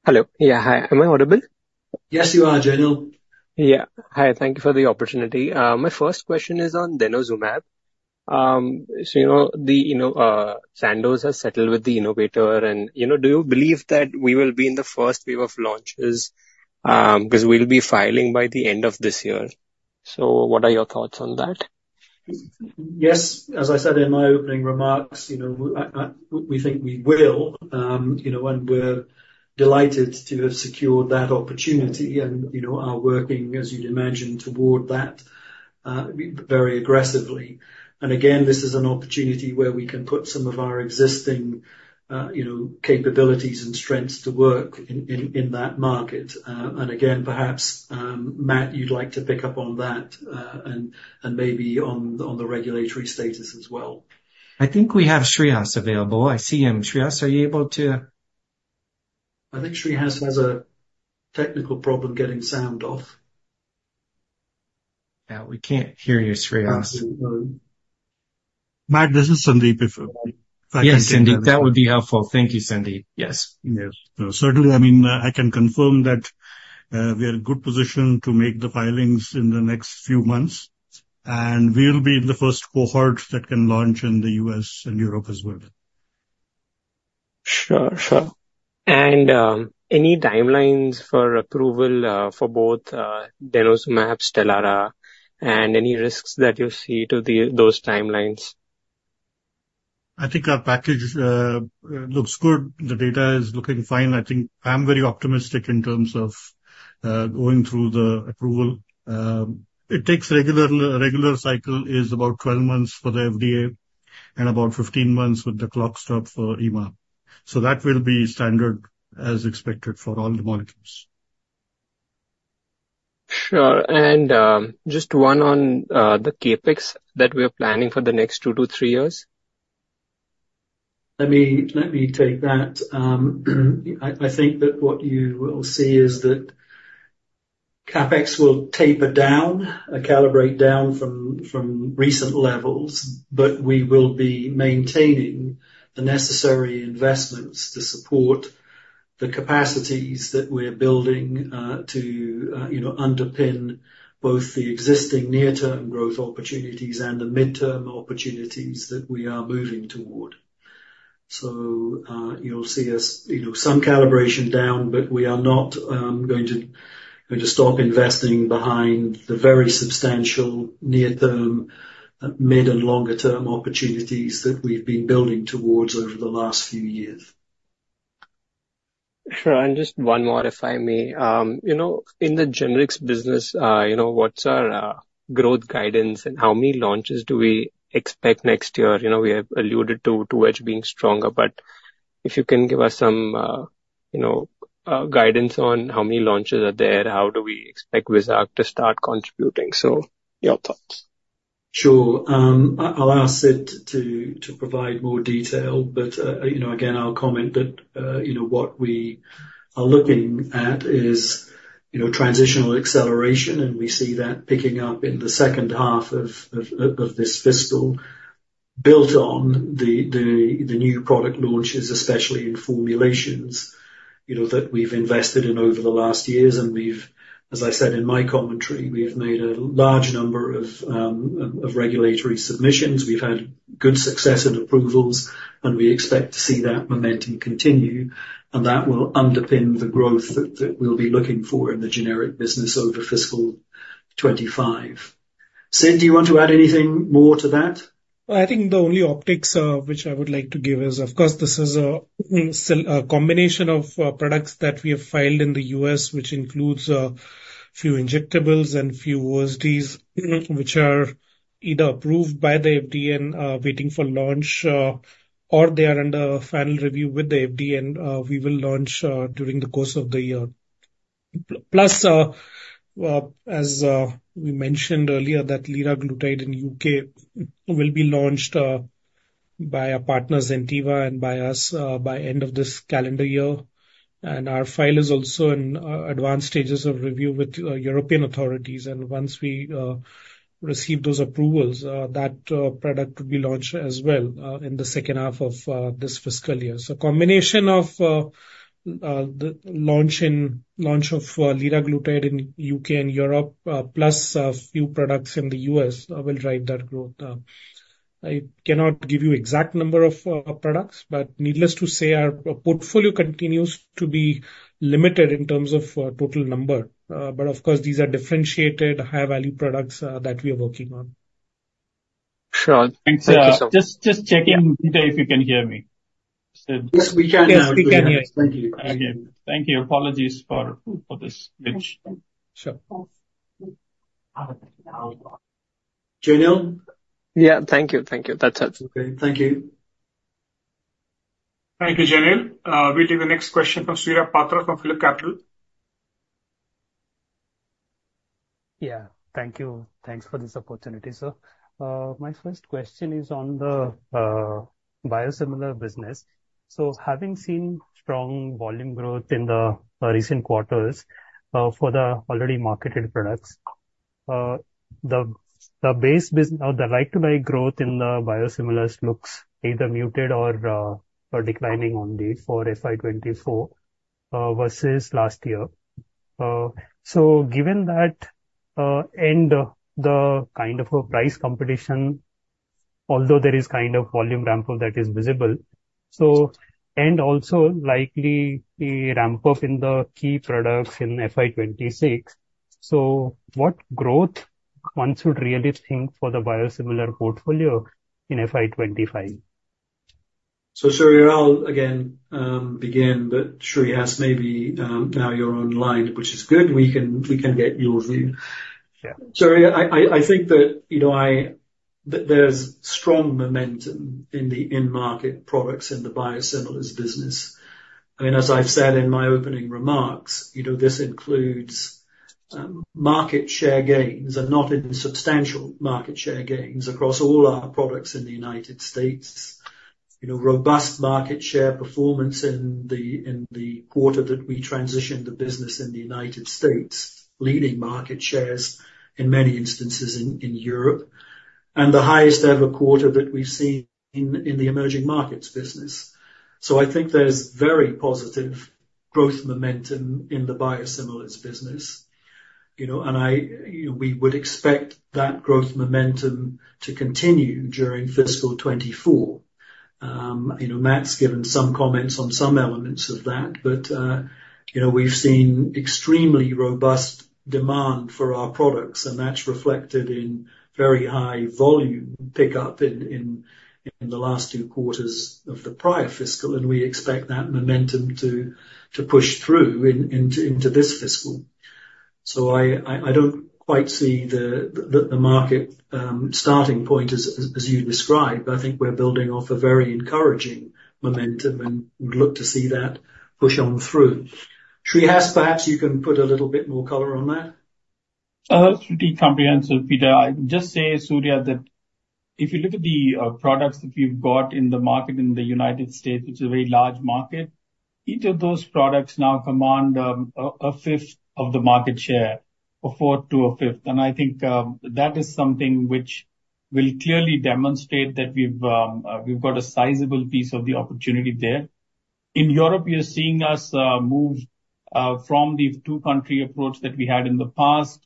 Hello. Yeah, hi. Am I audible? Yes, you are, Jainil. Yeah. Hi, thank you for the opportunity. My first question is on denosumab. So, you know, you know, Sandoz has settled with the innovator, and, you know, do you believe that we will be in the first wave of launches? Because we'll be filing by the end of this year. So what are your thoughts on that? Yes, as I said in my opening remarks, you know, we think we will. You know, and we're delighted to have secured that opportunity and, you know, are working, as you'd imagine, toward that very aggressively. And again, this is an opportunity where we can put some of our existing, you know, capabilities and strengths to work in that market. And again, perhaps, Matt, you'd like to pick up on that and maybe on the regulatory status as well. I think we have Shreehas available. I see him. Shreehas, are you able to? I think Shreehas has a technical problem getting sound off. Yeah, we can't hear you, Shreehas. Um- Matt, this is Sandeep. If I can- Yes, Sandeep, that would be helpful. Thank you, Sandeep. Yes. Yes. So certainly, I mean, I can confirm that, we are in a good position to make the filings in the next few months, and we'll be the first cohort that can launch in the U.S. and Europe as well. Sure, sure. Any timelines for approval for both denosumab, Stelara, and any risks that you see to those timelines? I think our package looks good. The data is looking fine. I think I'm very optimistic in terms of going through the approval. It takes regular, regular cycle is about 12 months for the FDA and about 15 months with the clock stop for EMA. So that will be standard as expected for all the molecules. Sure. Just one on the CapEx that we are planning for the next 2-3 years. Let me, let me take that. I think that what you will see is that CapEx will taper down, calibrate down from recent levels, but we will be maintaining the necessary investments to support the capacities that we're building to you know, underpin both the existing near-term growth opportunities and the midterm opportunities that we are moving toward. You'll see us, you know, some calibration down, but we are not going to, going to stop investing behind the very substantial near-term, mid, and longer term opportunities that we've been building towards over the last few years. Sure. Just one more, if I may. You know, in the generics business, you know, what's our growth guidance, and how many launches do we expect next year? You know, we have alluded to H2 being stronger, but if you can give us some... you know, guidance on how many launches are there? How do we expect Vizag to start contributing? So your thoughts. Sure. I'll ask Sid to provide more detail, but, you know, again, I'll comment that, you know, what we are looking at is, you know, transitional acceleration, and we see that picking up in the second half of this fiscal, built on the new product launches, especially in formulations, you know, that we've invested in over the last years. And we've—as I said in my commentary, we've made a large number of regulatory submissions. We've had good success and approvals, and we expect to see that momentum continue, and that will underpin the growth that we'll be looking for in the generic business over fiscal 25. Sid, do you want to add anything more to that? I think the only optics, which I would like to give is, of course, this is a combination of products that we have filed in the U.S., which includes a few injectables and few OSDs, which are either approved by the FDA and waiting for launch, or they are under final review with the FDA, and we will launch during the course of the year. Plus, as we mentioned earlier, that liraglutide in U.K. will be launched by our partner, Zentiva, and by us, by end of this calendar year. And our file is also in advanced stages of review with European authorities, and once we receive those approvals, that product will be launched as well in the second half of this fiscal year. So combination of the launch of liraglutide in U.K. and Europe, plus a few products in the U.S., will drive that growth. I cannot give you exact number of products, but needless to say, our portfolio continues to be limited in terms of total number. But of course, these are differentiated, high-value products that we are working on. Sure. Thanks, just checking, Peter, if you can hear me, Sid? Yes, we can. Yes, we can hear. Thank you. Again, thank you. Apologies for this glitch. Sure. Janil? Yeah. Thank you. Thank you. That's it. Okay. Thank you. Thank you, Janil. We'll take the next question from Surya Patra from Phillip Capital. Yeah, thank you. Thanks for this opportunity, sir. My first question is on the biosimilars business. So having seen strong volume growth in the recent quarters for the already marketed products, the revenue growth in the biosimilars looks either muted or declining for FY 2024 versus last year. So given that and the kind of price competition, although there is kind of volume ramp-up that is visible, so... And also likely a ramp-up in the key products in FY 2026, so what growth one should really think for the biosimilars portfolio in FY 2025? So, Surya, I'll again begin, but Shreehas, maybe now you're online, which is good. We can, we can get your view. Yeah. Surya, I think that, you know, that there's strong momentum in the end market products in the biosimilars business. I mean, as I've said in my opening remarks, you know, this includes market share gains, and not insubstantial market share gains, across all our products in the United States. You know, robust market share performance in the quarter that we transitioned the business in the United States, leading market shares in many instances in Europe, and the highest ever quarter that we've seen in the emerging markets business. So I think there's very positive growth momentum in the biosimilars business, you know, and I, you know, we would expect that growth momentum to continue during fiscal 2024. You know, Matt's given some comments on some elements of that, but, you know, we've seen extremely robust demand for our products, and that's reflected in very high volume pickup in the last two quarters of the prior fiscal, and we expect that momentum to push through into this fiscal. So I don't quite see the market starting point as you describe, but I think we're building off a very encouraging momentum and look to see that push on through. Shreehas, perhaps you can put a little bit more color on that. Pretty comprehensive, Peter. I'd just say, Surya, that if you look at the products that we've got in the market in the United States, which is a very large market, each of those products now command a fifth of the market share, a fourth to a fifth. And I think that is something which will clearly demonstrate that we've got a sizable piece of the opportunity there. In Europe, you're seeing us move from the two-country approach that we had in the past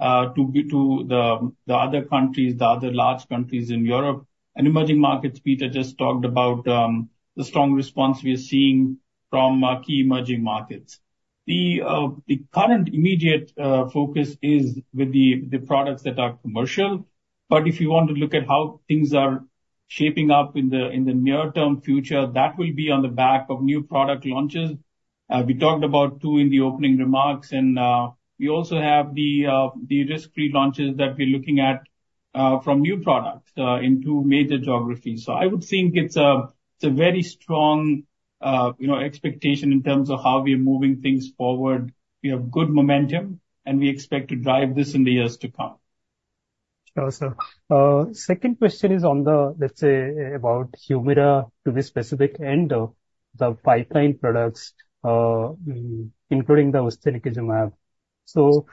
to the other countries, the other large countries in Europe and emerging markets. Peter just talked about the strong response we are seeing from key emerging markets. The current immediate focus is with the products that are commercial, but if you want to look at how things are shaping up in the near-term future, that will be on the back of new product launches. We talked about two in the opening remarks, and we also have the risk-free launches that we're looking at from new products into major geographies. So I would think it's a very strong, you know, expectation in terms of how we are moving things forward. We have good momentum, and we expect to drive this in the years to come. Sure, sir. Second question is on the, let's say, about Humira, to be specific, and the pipeline products, including the ustekinumab. So,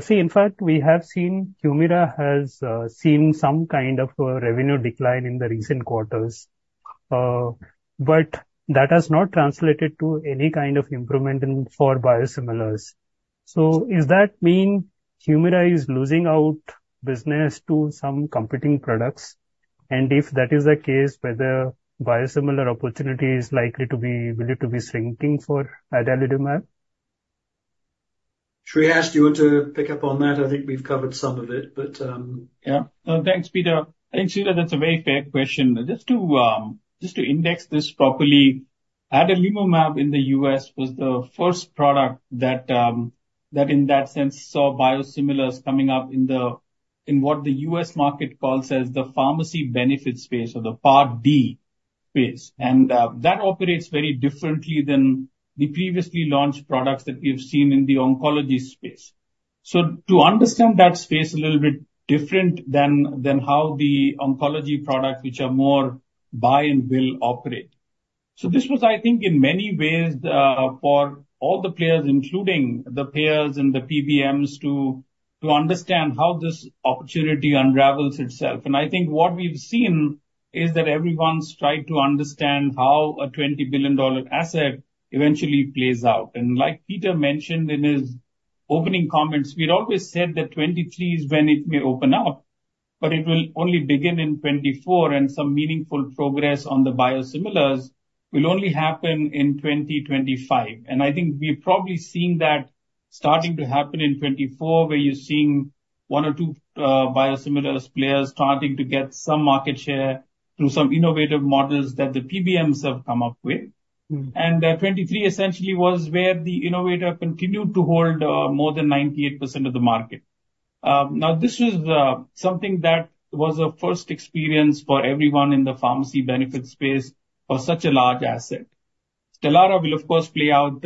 see, in fact, we have seen Humira has seen some kind of a revenue decline in the recent quarters, but that has not translated to any kind of improvement in, for biosimilars. So is that mean Humira is losing out business to some competing products? And if that is the case, whether biosimilar opportunity is likely to be, believed to be shrinking for adalimumab? Shreehas, do you want to pick up on that? I think we've covered some of it, but, Yeah. No, thanks, Peter. I think, Surya, that's a very fair question. Just to, just to index this properly, adalimumab in the U.S. was the first product that, that in that sense, saw biosimilars coming up in the, in what the U.S. market calls as the pharmacy benefit space or the Part D space. And, that operates very differently than the previously launched products that we've seen in the oncology space. So to understand that space a little bit different than, than how the oncology products, which are more buy-and-bill, operate. So this was, I think, in many ways, for all the players, including the payers and the PBMs, to, to understand how this opportunity unravels itself. And I think what we've seen is that everyone's tried to understand how a $20 billion asset eventually plays out. Like Peter mentioned in his opening comments, we'd always said that 2023 is when it may open up, but it will only begin in 2024, and some meaningful progress on the biosimilars will only happen in 2025. I think we've probably seen that starting to happen in 2024, where you're seeing one or two biosimilars players starting to get some market share through some innovative models that the PBMs have come up with. Mm-hmm. And, 2023 essentially was where the innovator continued to hold more than 98% of the market. Now, this was something that was a first experience for everyone in the pharmacy benefit space for such a large asset. Stelara will, of course, play out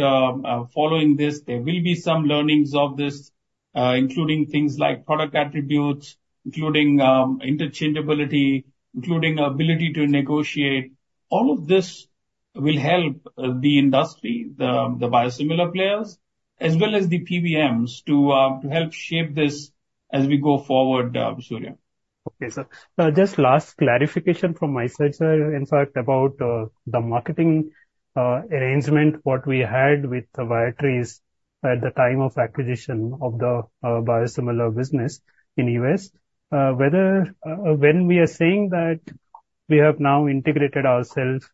following this. There will be some learnings of this, including things like product attributes, including interchangeability, including ability to negotiate. All of this will help the industry, the biosimilars players, as well as the PBMs, to help shape this as we go forward, Surya. Okay, sir. Just last clarification from my side, sir, in fact, about the marketing arrangement, what we had with the Viatris at the time of acquisition of the biosimilar business in U.S. Whether when we are saying that we have now integrated ourselves,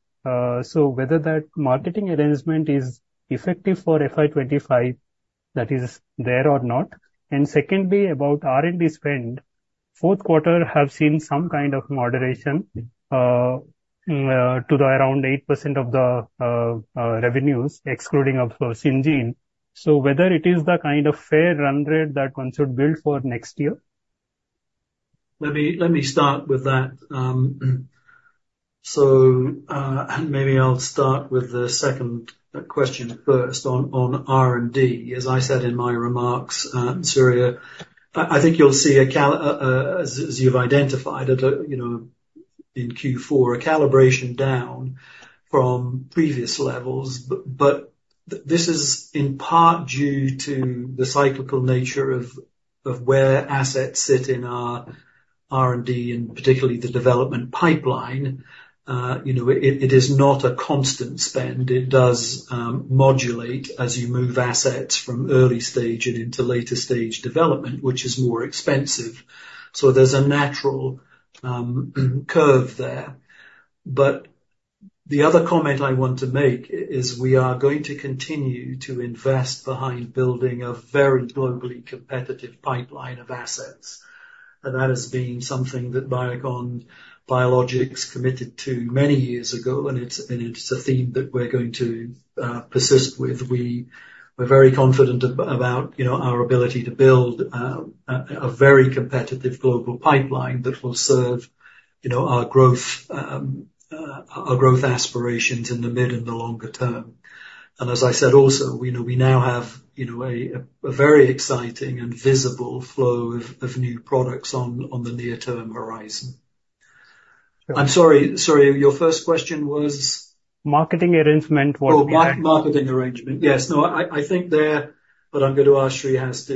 so whether that marketing arrangement is effective for FY 25, that is there or not? And secondly, about R&D spend, fourth quarter have seen some kind of moderation to the around 8% of the revenues, excluding, of course, Syngene. So whether it is the kind of fair run rate that one should build for next year? Let me start with that. So, maybe I'll start with the second question first on R&D. As I said in my remarks, Surya, I think you'll see a calibration down from previous levels, as you've identified, you know, in Q4, a calibration down from previous levels. But this is in part due to the cyclical nature of where assets sit in our R&D, and particularly the development pipeline. You know, it is not a constant spend. It does modulate as you move assets from early stage and into later stage development, which is more expensive. So there's a natural curve there. But the other comment I want to make is we are going to continue to invest behind building a very globally competitive pipeline of assets. That has been something that Biocon Biologics committed to many years ago, and it's a theme that we're going to persist with. We're very confident about, you know, our ability to build a very competitive global pipeline that will serve, you know, our growth aspirations in the mid and the longer-term. As I said also, we know, we now have, you know, a very exciting and visible flow of new products on the near-term horizon. I'm sorry, Surya, your first question was? Marketing arrangement, what we have- Oh, marketing arrangement. Yes. No, I think there, but I'm going to ask Shreehas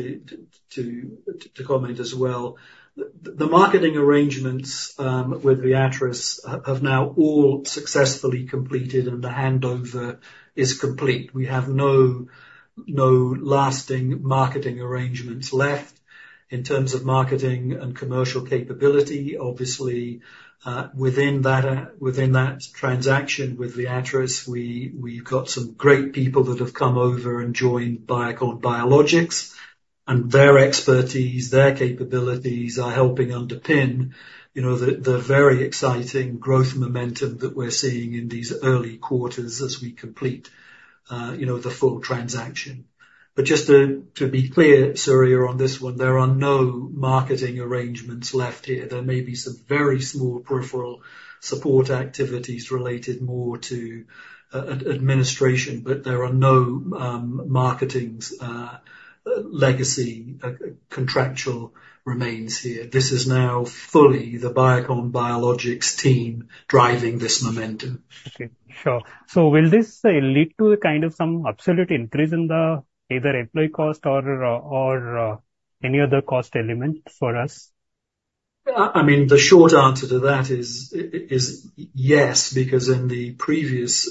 to comment as well. The marketing arrangements with Viatris have now all successfully completed, and the handover is complete. We have no lasting marketing arrangements left. In terms of marketing and commercial capability, obviously, within that transaction with Viatris, we've got some great people that have come over and joined Biocon Biologics. And their expertise, their capabilities are helping underpin, you know, the very exciting growth momentum that we're seeing in these early quarters as we complete the full transaction. But just to be clear, Surya, on this one, there are no marketing arrangements left here. There may be some very small peripheral support activities related more to administration, but there are no marketing, legacy contractual remains here. This is now fully the Biocon Biologics team driving this momentum. Okay, sure. So will this lead to a kind of some absolute increase in the either employee cost or, or, any other cost element for us? I mean, the short answer to that is, is yes, because in the previous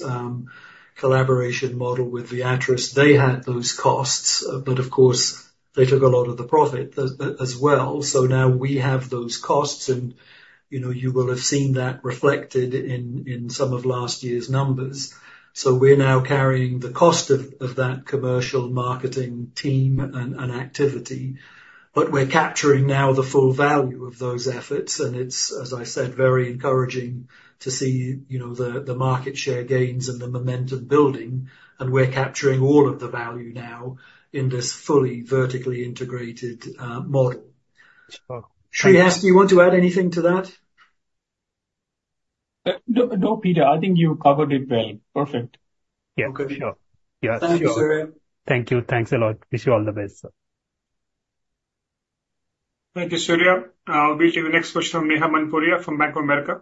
collaboration model with Viatris, they had those costs, but of course, they took a lot of the profit as well. So now we have those costs, and, you know, you will have seen that reflected in some of last year's numbers. So we're now carrying the cost of that commercial marketing team and activity, but we're capturing now the full value of those efforts, and it's, as I said, very encouraging to see, you know, the market share gains and the momentum building, and we're capturing all of the value now in this fully vertically integrated model. Sure. Shreehas, do you want to add anything to that? No, no, Peter, I think you covered it well. Perfect. Yeah, sure. Okay. Yeah, sure. Thank you, Surya. Thank you. Thanks a lot. Wish you all the best, sir. Thank you, Surya. We'll take the next question from Neha Manpuria from Bank of America.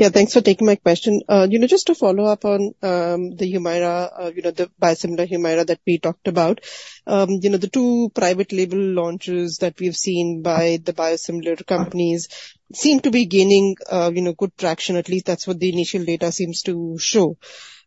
Yeah, thanks for taking my question. You know, just to follow up on the Humira, you know, the biosimilar Humira that we talked about. You know, the two private label launches that we've seen by the biosimilar companies seem to be gaining, you know, good traction. At least that's what the initial data seems to show.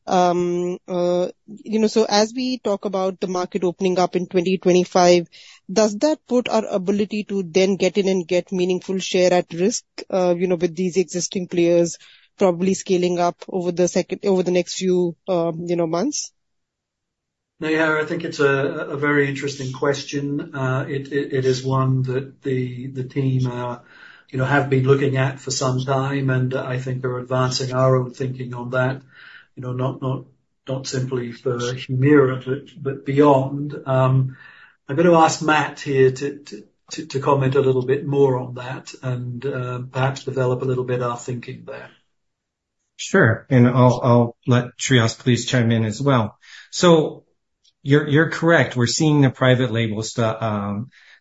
You know, so as we talk about the market opening up in 2025, does that put our ability to then get in and get meaningful share at risk, you know, with these existing players probably scaling up over the next few, you know, months? Neha, I think it's a very interesting question. It is one that the team, you know, have been looking at for some time, and I think they're advancing our own thinking on that, you know, not simply for Humira, but beyond. I'm gonna ask Matt here to comment a little bit more on that and, perhaps develop a little bit our thinking there. Sure. I'll let Shreehas please chime in as well. So you're correct. We're seeing the private label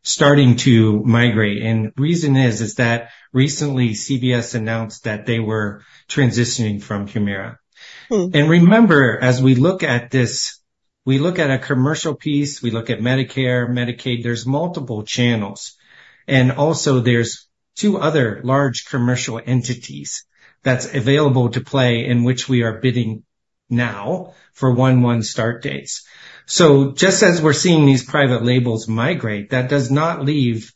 starting to migrate, and the reason is that recently CVS announced that they were transitioning from Humira. Mm. And remember, as we look at this, we look at a commercial piece, we look at Medicare, Medicaid, there's multiple channels, and also there's 2 other large commercial entities that's available to play in which we are bidding now for 1-1 start dates. So just as we're seeing these private labels migrate, that does not leave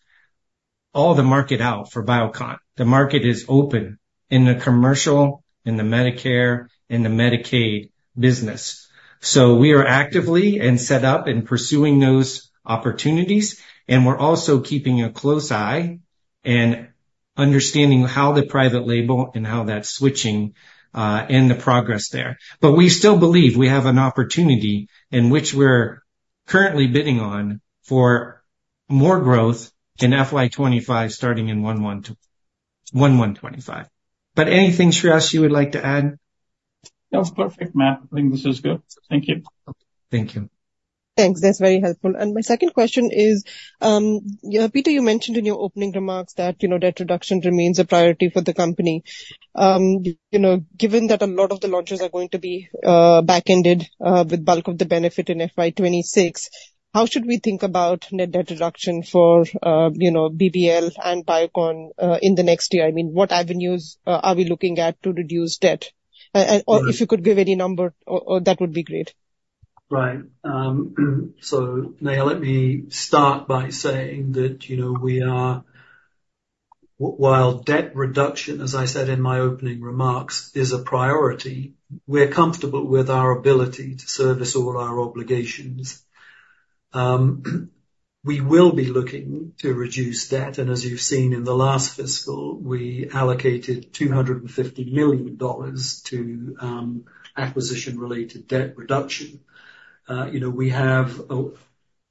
all the market out for Biocon. The market is open in the commercial, in the Medicare, in the Medicaid business. So we are actively and set up in pursuing those opportunities, and we're also keeping a close eye and understanding how the private label and how that's switching, and the progress there. But we still believe we have an opportunity in which we're currently bidding on for more growth in FY 25, starting in 1-1, 1-1 2025. But anything, Shreehas, you would like to add? That was perfect, Matt. I think this is good. Thank you. Thank you. Thanks. That's very helpful. My second question is, Peter, you mentioned in your opening remarks that, you know, debt reduction remains a priority for the company. You know, given that a lot of the launches are going to be back-ended, with bulk of the benefit in FY 26, how should we think about net debt reduction for, you know, BBL and Biocon, in the next year? I mean, what avenues are we looking at to reduce debt? Right. or if you could give any number, that would be great. Right. So, Neha, let me start by saying that, you know, we are while debt reduction, as I said in my opening remarks, is a priority, we're comfortable with our ability to service all our obligations. We will be looking to reduce debt, and as you've seen in the last fiscal, we allocated $250 million to acquisition-related debt reduction. You know, we have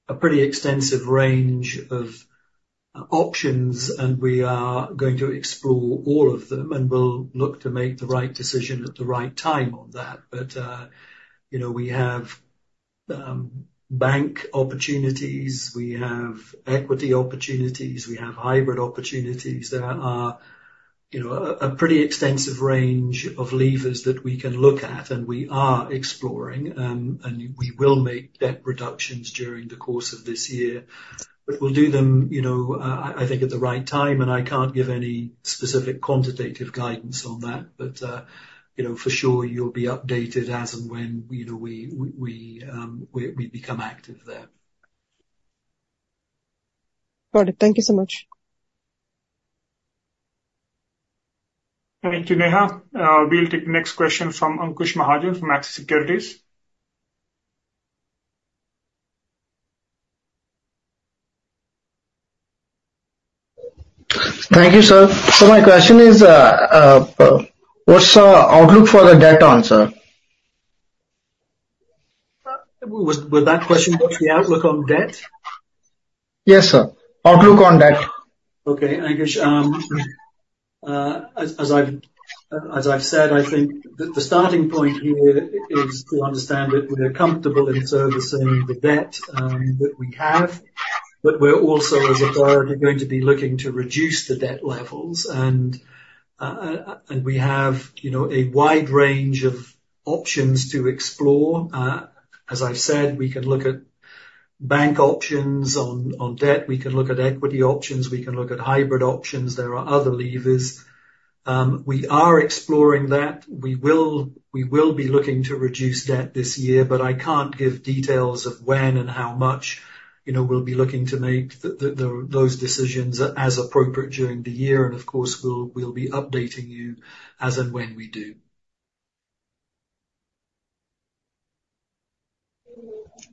a pretty extensive range of options, and we are going to explore all of them, and we'll look to make the right decision at the right time on that. But, you know, we have bank opportunities, we have equity opportunities, we have hybrid opportunities. There are, you know, a pretty extensive range of levers that we can look at, and we are exploring, and we will make debt reductions during the course of this year. But we'll do them, you know, I think, at the right time, and I can't give any specific quantitative guidance on that. But, you know, for sure, you'll be updated as and when, you know, we become active there. Got it. Thank you so much.... Thank you, Neha. We'll take the next question from Ankush Mahajan from Axis Securities. Thank you, sir. So my question is, what's outlook for the debt on, sir? Was that question the outlook on debt? Yes, sir. Outlook on debt. Okay, Ankush, as I've said, I think the starting point here is to understand that we're comfortable in servicing the debt that we have. But we're also, as a priority, going to be looking to reduce the debt levels. And, and we have, you know, a wide range of options to explore. As I've said, we can look at bank options on debt, we can look at equity options, we can look at hybrid options. There are other levers. We are exploring that. We will be looking to reduce debt this year, but I can't give details of when and how much. You know, we'll be looking to make the those decisions as appropriate during the year, and of course, we'll be updating you as and when we do.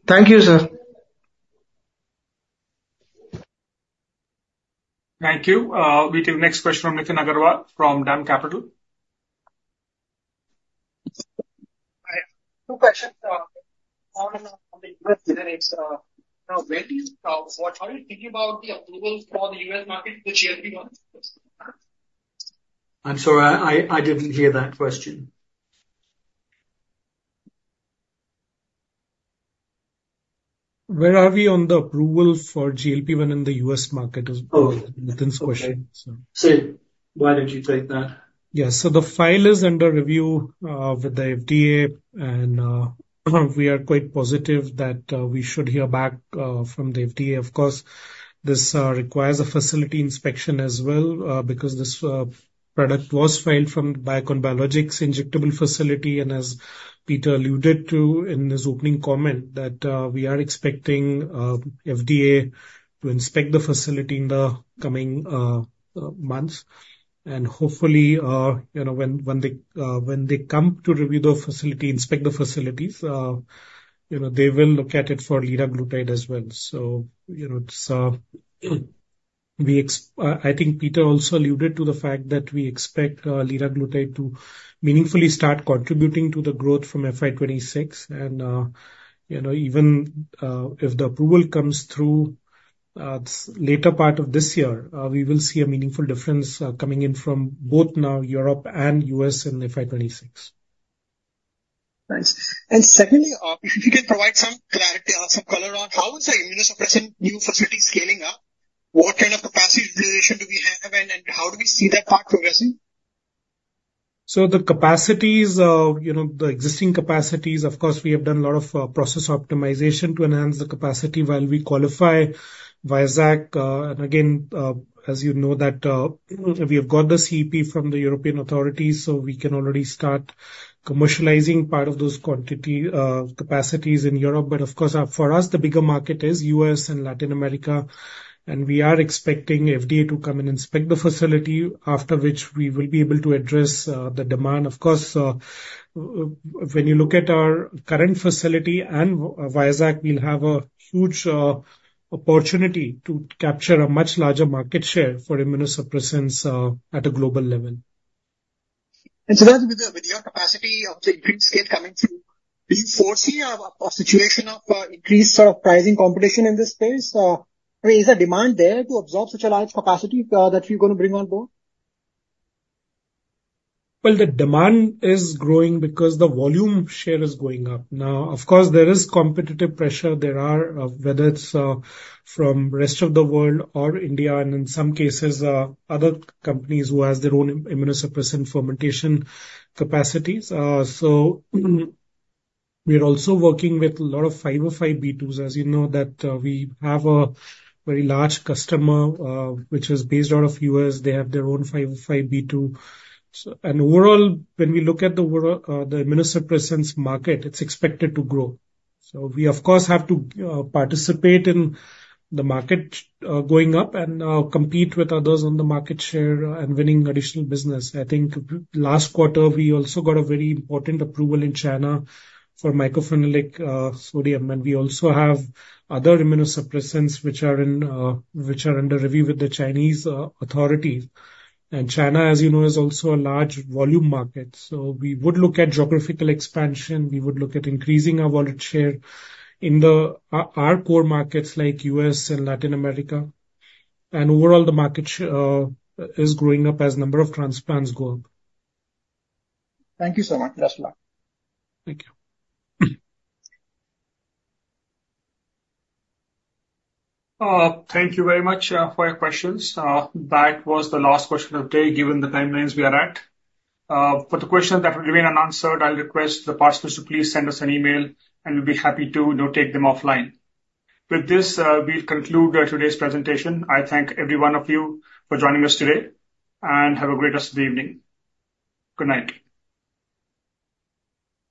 Thank you, sir. Thank you. We take next question from Nitin Agarwal from DAM Capital. Hi. Two questions, on the investment. Now, what are you thinking about the approvals for the U.S market, which GLP-1? I'm sorry, I didn't hear that question. Where are we on the approval for GLP-1 in the U.S. market, is Nitin’s question, sir? Okay. Sid, why don't you take that? Yeah. So the file is under review with the FDA, and we are quite positive that we should hear back from the FDA. Of course, this requires a facility inspection as well, because this product was filed from Biocon Biologics' injectable facility. And as Peter alluded to in his opening comment, that we are expecting FDA to inspect the facility in the coming months. And hopefully, you know, when they come to review the facility, inspect the facilities, you know, they will look at it for liraglutide as well. So, you know, it's we expect. I think Peter also alluded to the fact that we expect liraglutide to meaningfully start contributing to the growth from FY 2026. You know, even if the approval comes through later part of this year, we will see a meaningful difference coming in from both in Europe and U.S. in FY 2026. Thanks. Secondly, if you can provide some clarity or some color on how is the immunosuppressant new facility scaling up? What kind of capacity utilization do we have, and how do we see that part progressing? So the capacities, you know, the existing capacities, of course, we have done a lot of process optimization to enhance the capacity while we qualify Vizag. And again, as you know, that we have got the CEP from the European authorities, so we can already start commercializing part of those quantity capacities in Europe. But of course, for us, the bigger market is U.S. and Latin America, and we are expecting FDA to come and inspect the facility, after which we will be able to address the demand. Of course, when you look at our current facility and Vizag, we'll have a huge opportunity to capture a much larger market share for immunosuppressants at a global level. And so with your capacity of the increased scale coming through, do you foresee a situation of increased pricing competition in this space? I mean, is the demand there to absorb such a large capacity that you're going to bring on board? Well, the demand is growing because the volume share is going up. Now, of course, there is competitive pressure. There are, whether it's, from rest of the world or India, and in some cases, other companies who has their own immunosuppressant fermentation capacities. So, we are also working with a lot of 505(b)(2)s. As you know, that, we have a very large customer, which is based out of U.S. They have their own 505(b)(2). So and overall, when we look at the world, the immunosuppressants market, it's expected to grow. So we of course have to, participate in the market, going up and, compete with others on the market share, and winning additional business. I think last quarter, we also got a very important approval in China for mycophenolate sodium. We also have other immunosuppressants, which are under review with the Chinese authorities. China, as you know, is also a large volume market. So we would look at geographical expansion, we would look at increasing our wallet share in our core markets like U.S. and Latin America. Overall, the market is growing as number of transplants grow. Thank you so much. Best of luck. Thank you. Thank you very much for your questions. That was the last question of the day, given the timelines we are at. For the questions that remain unanswered, I'll request the partners to please send us an email, and we'll be happy to, you know, take them offline. With this, we'll conclude today's presentation. I thank everyone for joining us today, and have a great rest of the evening. Good night.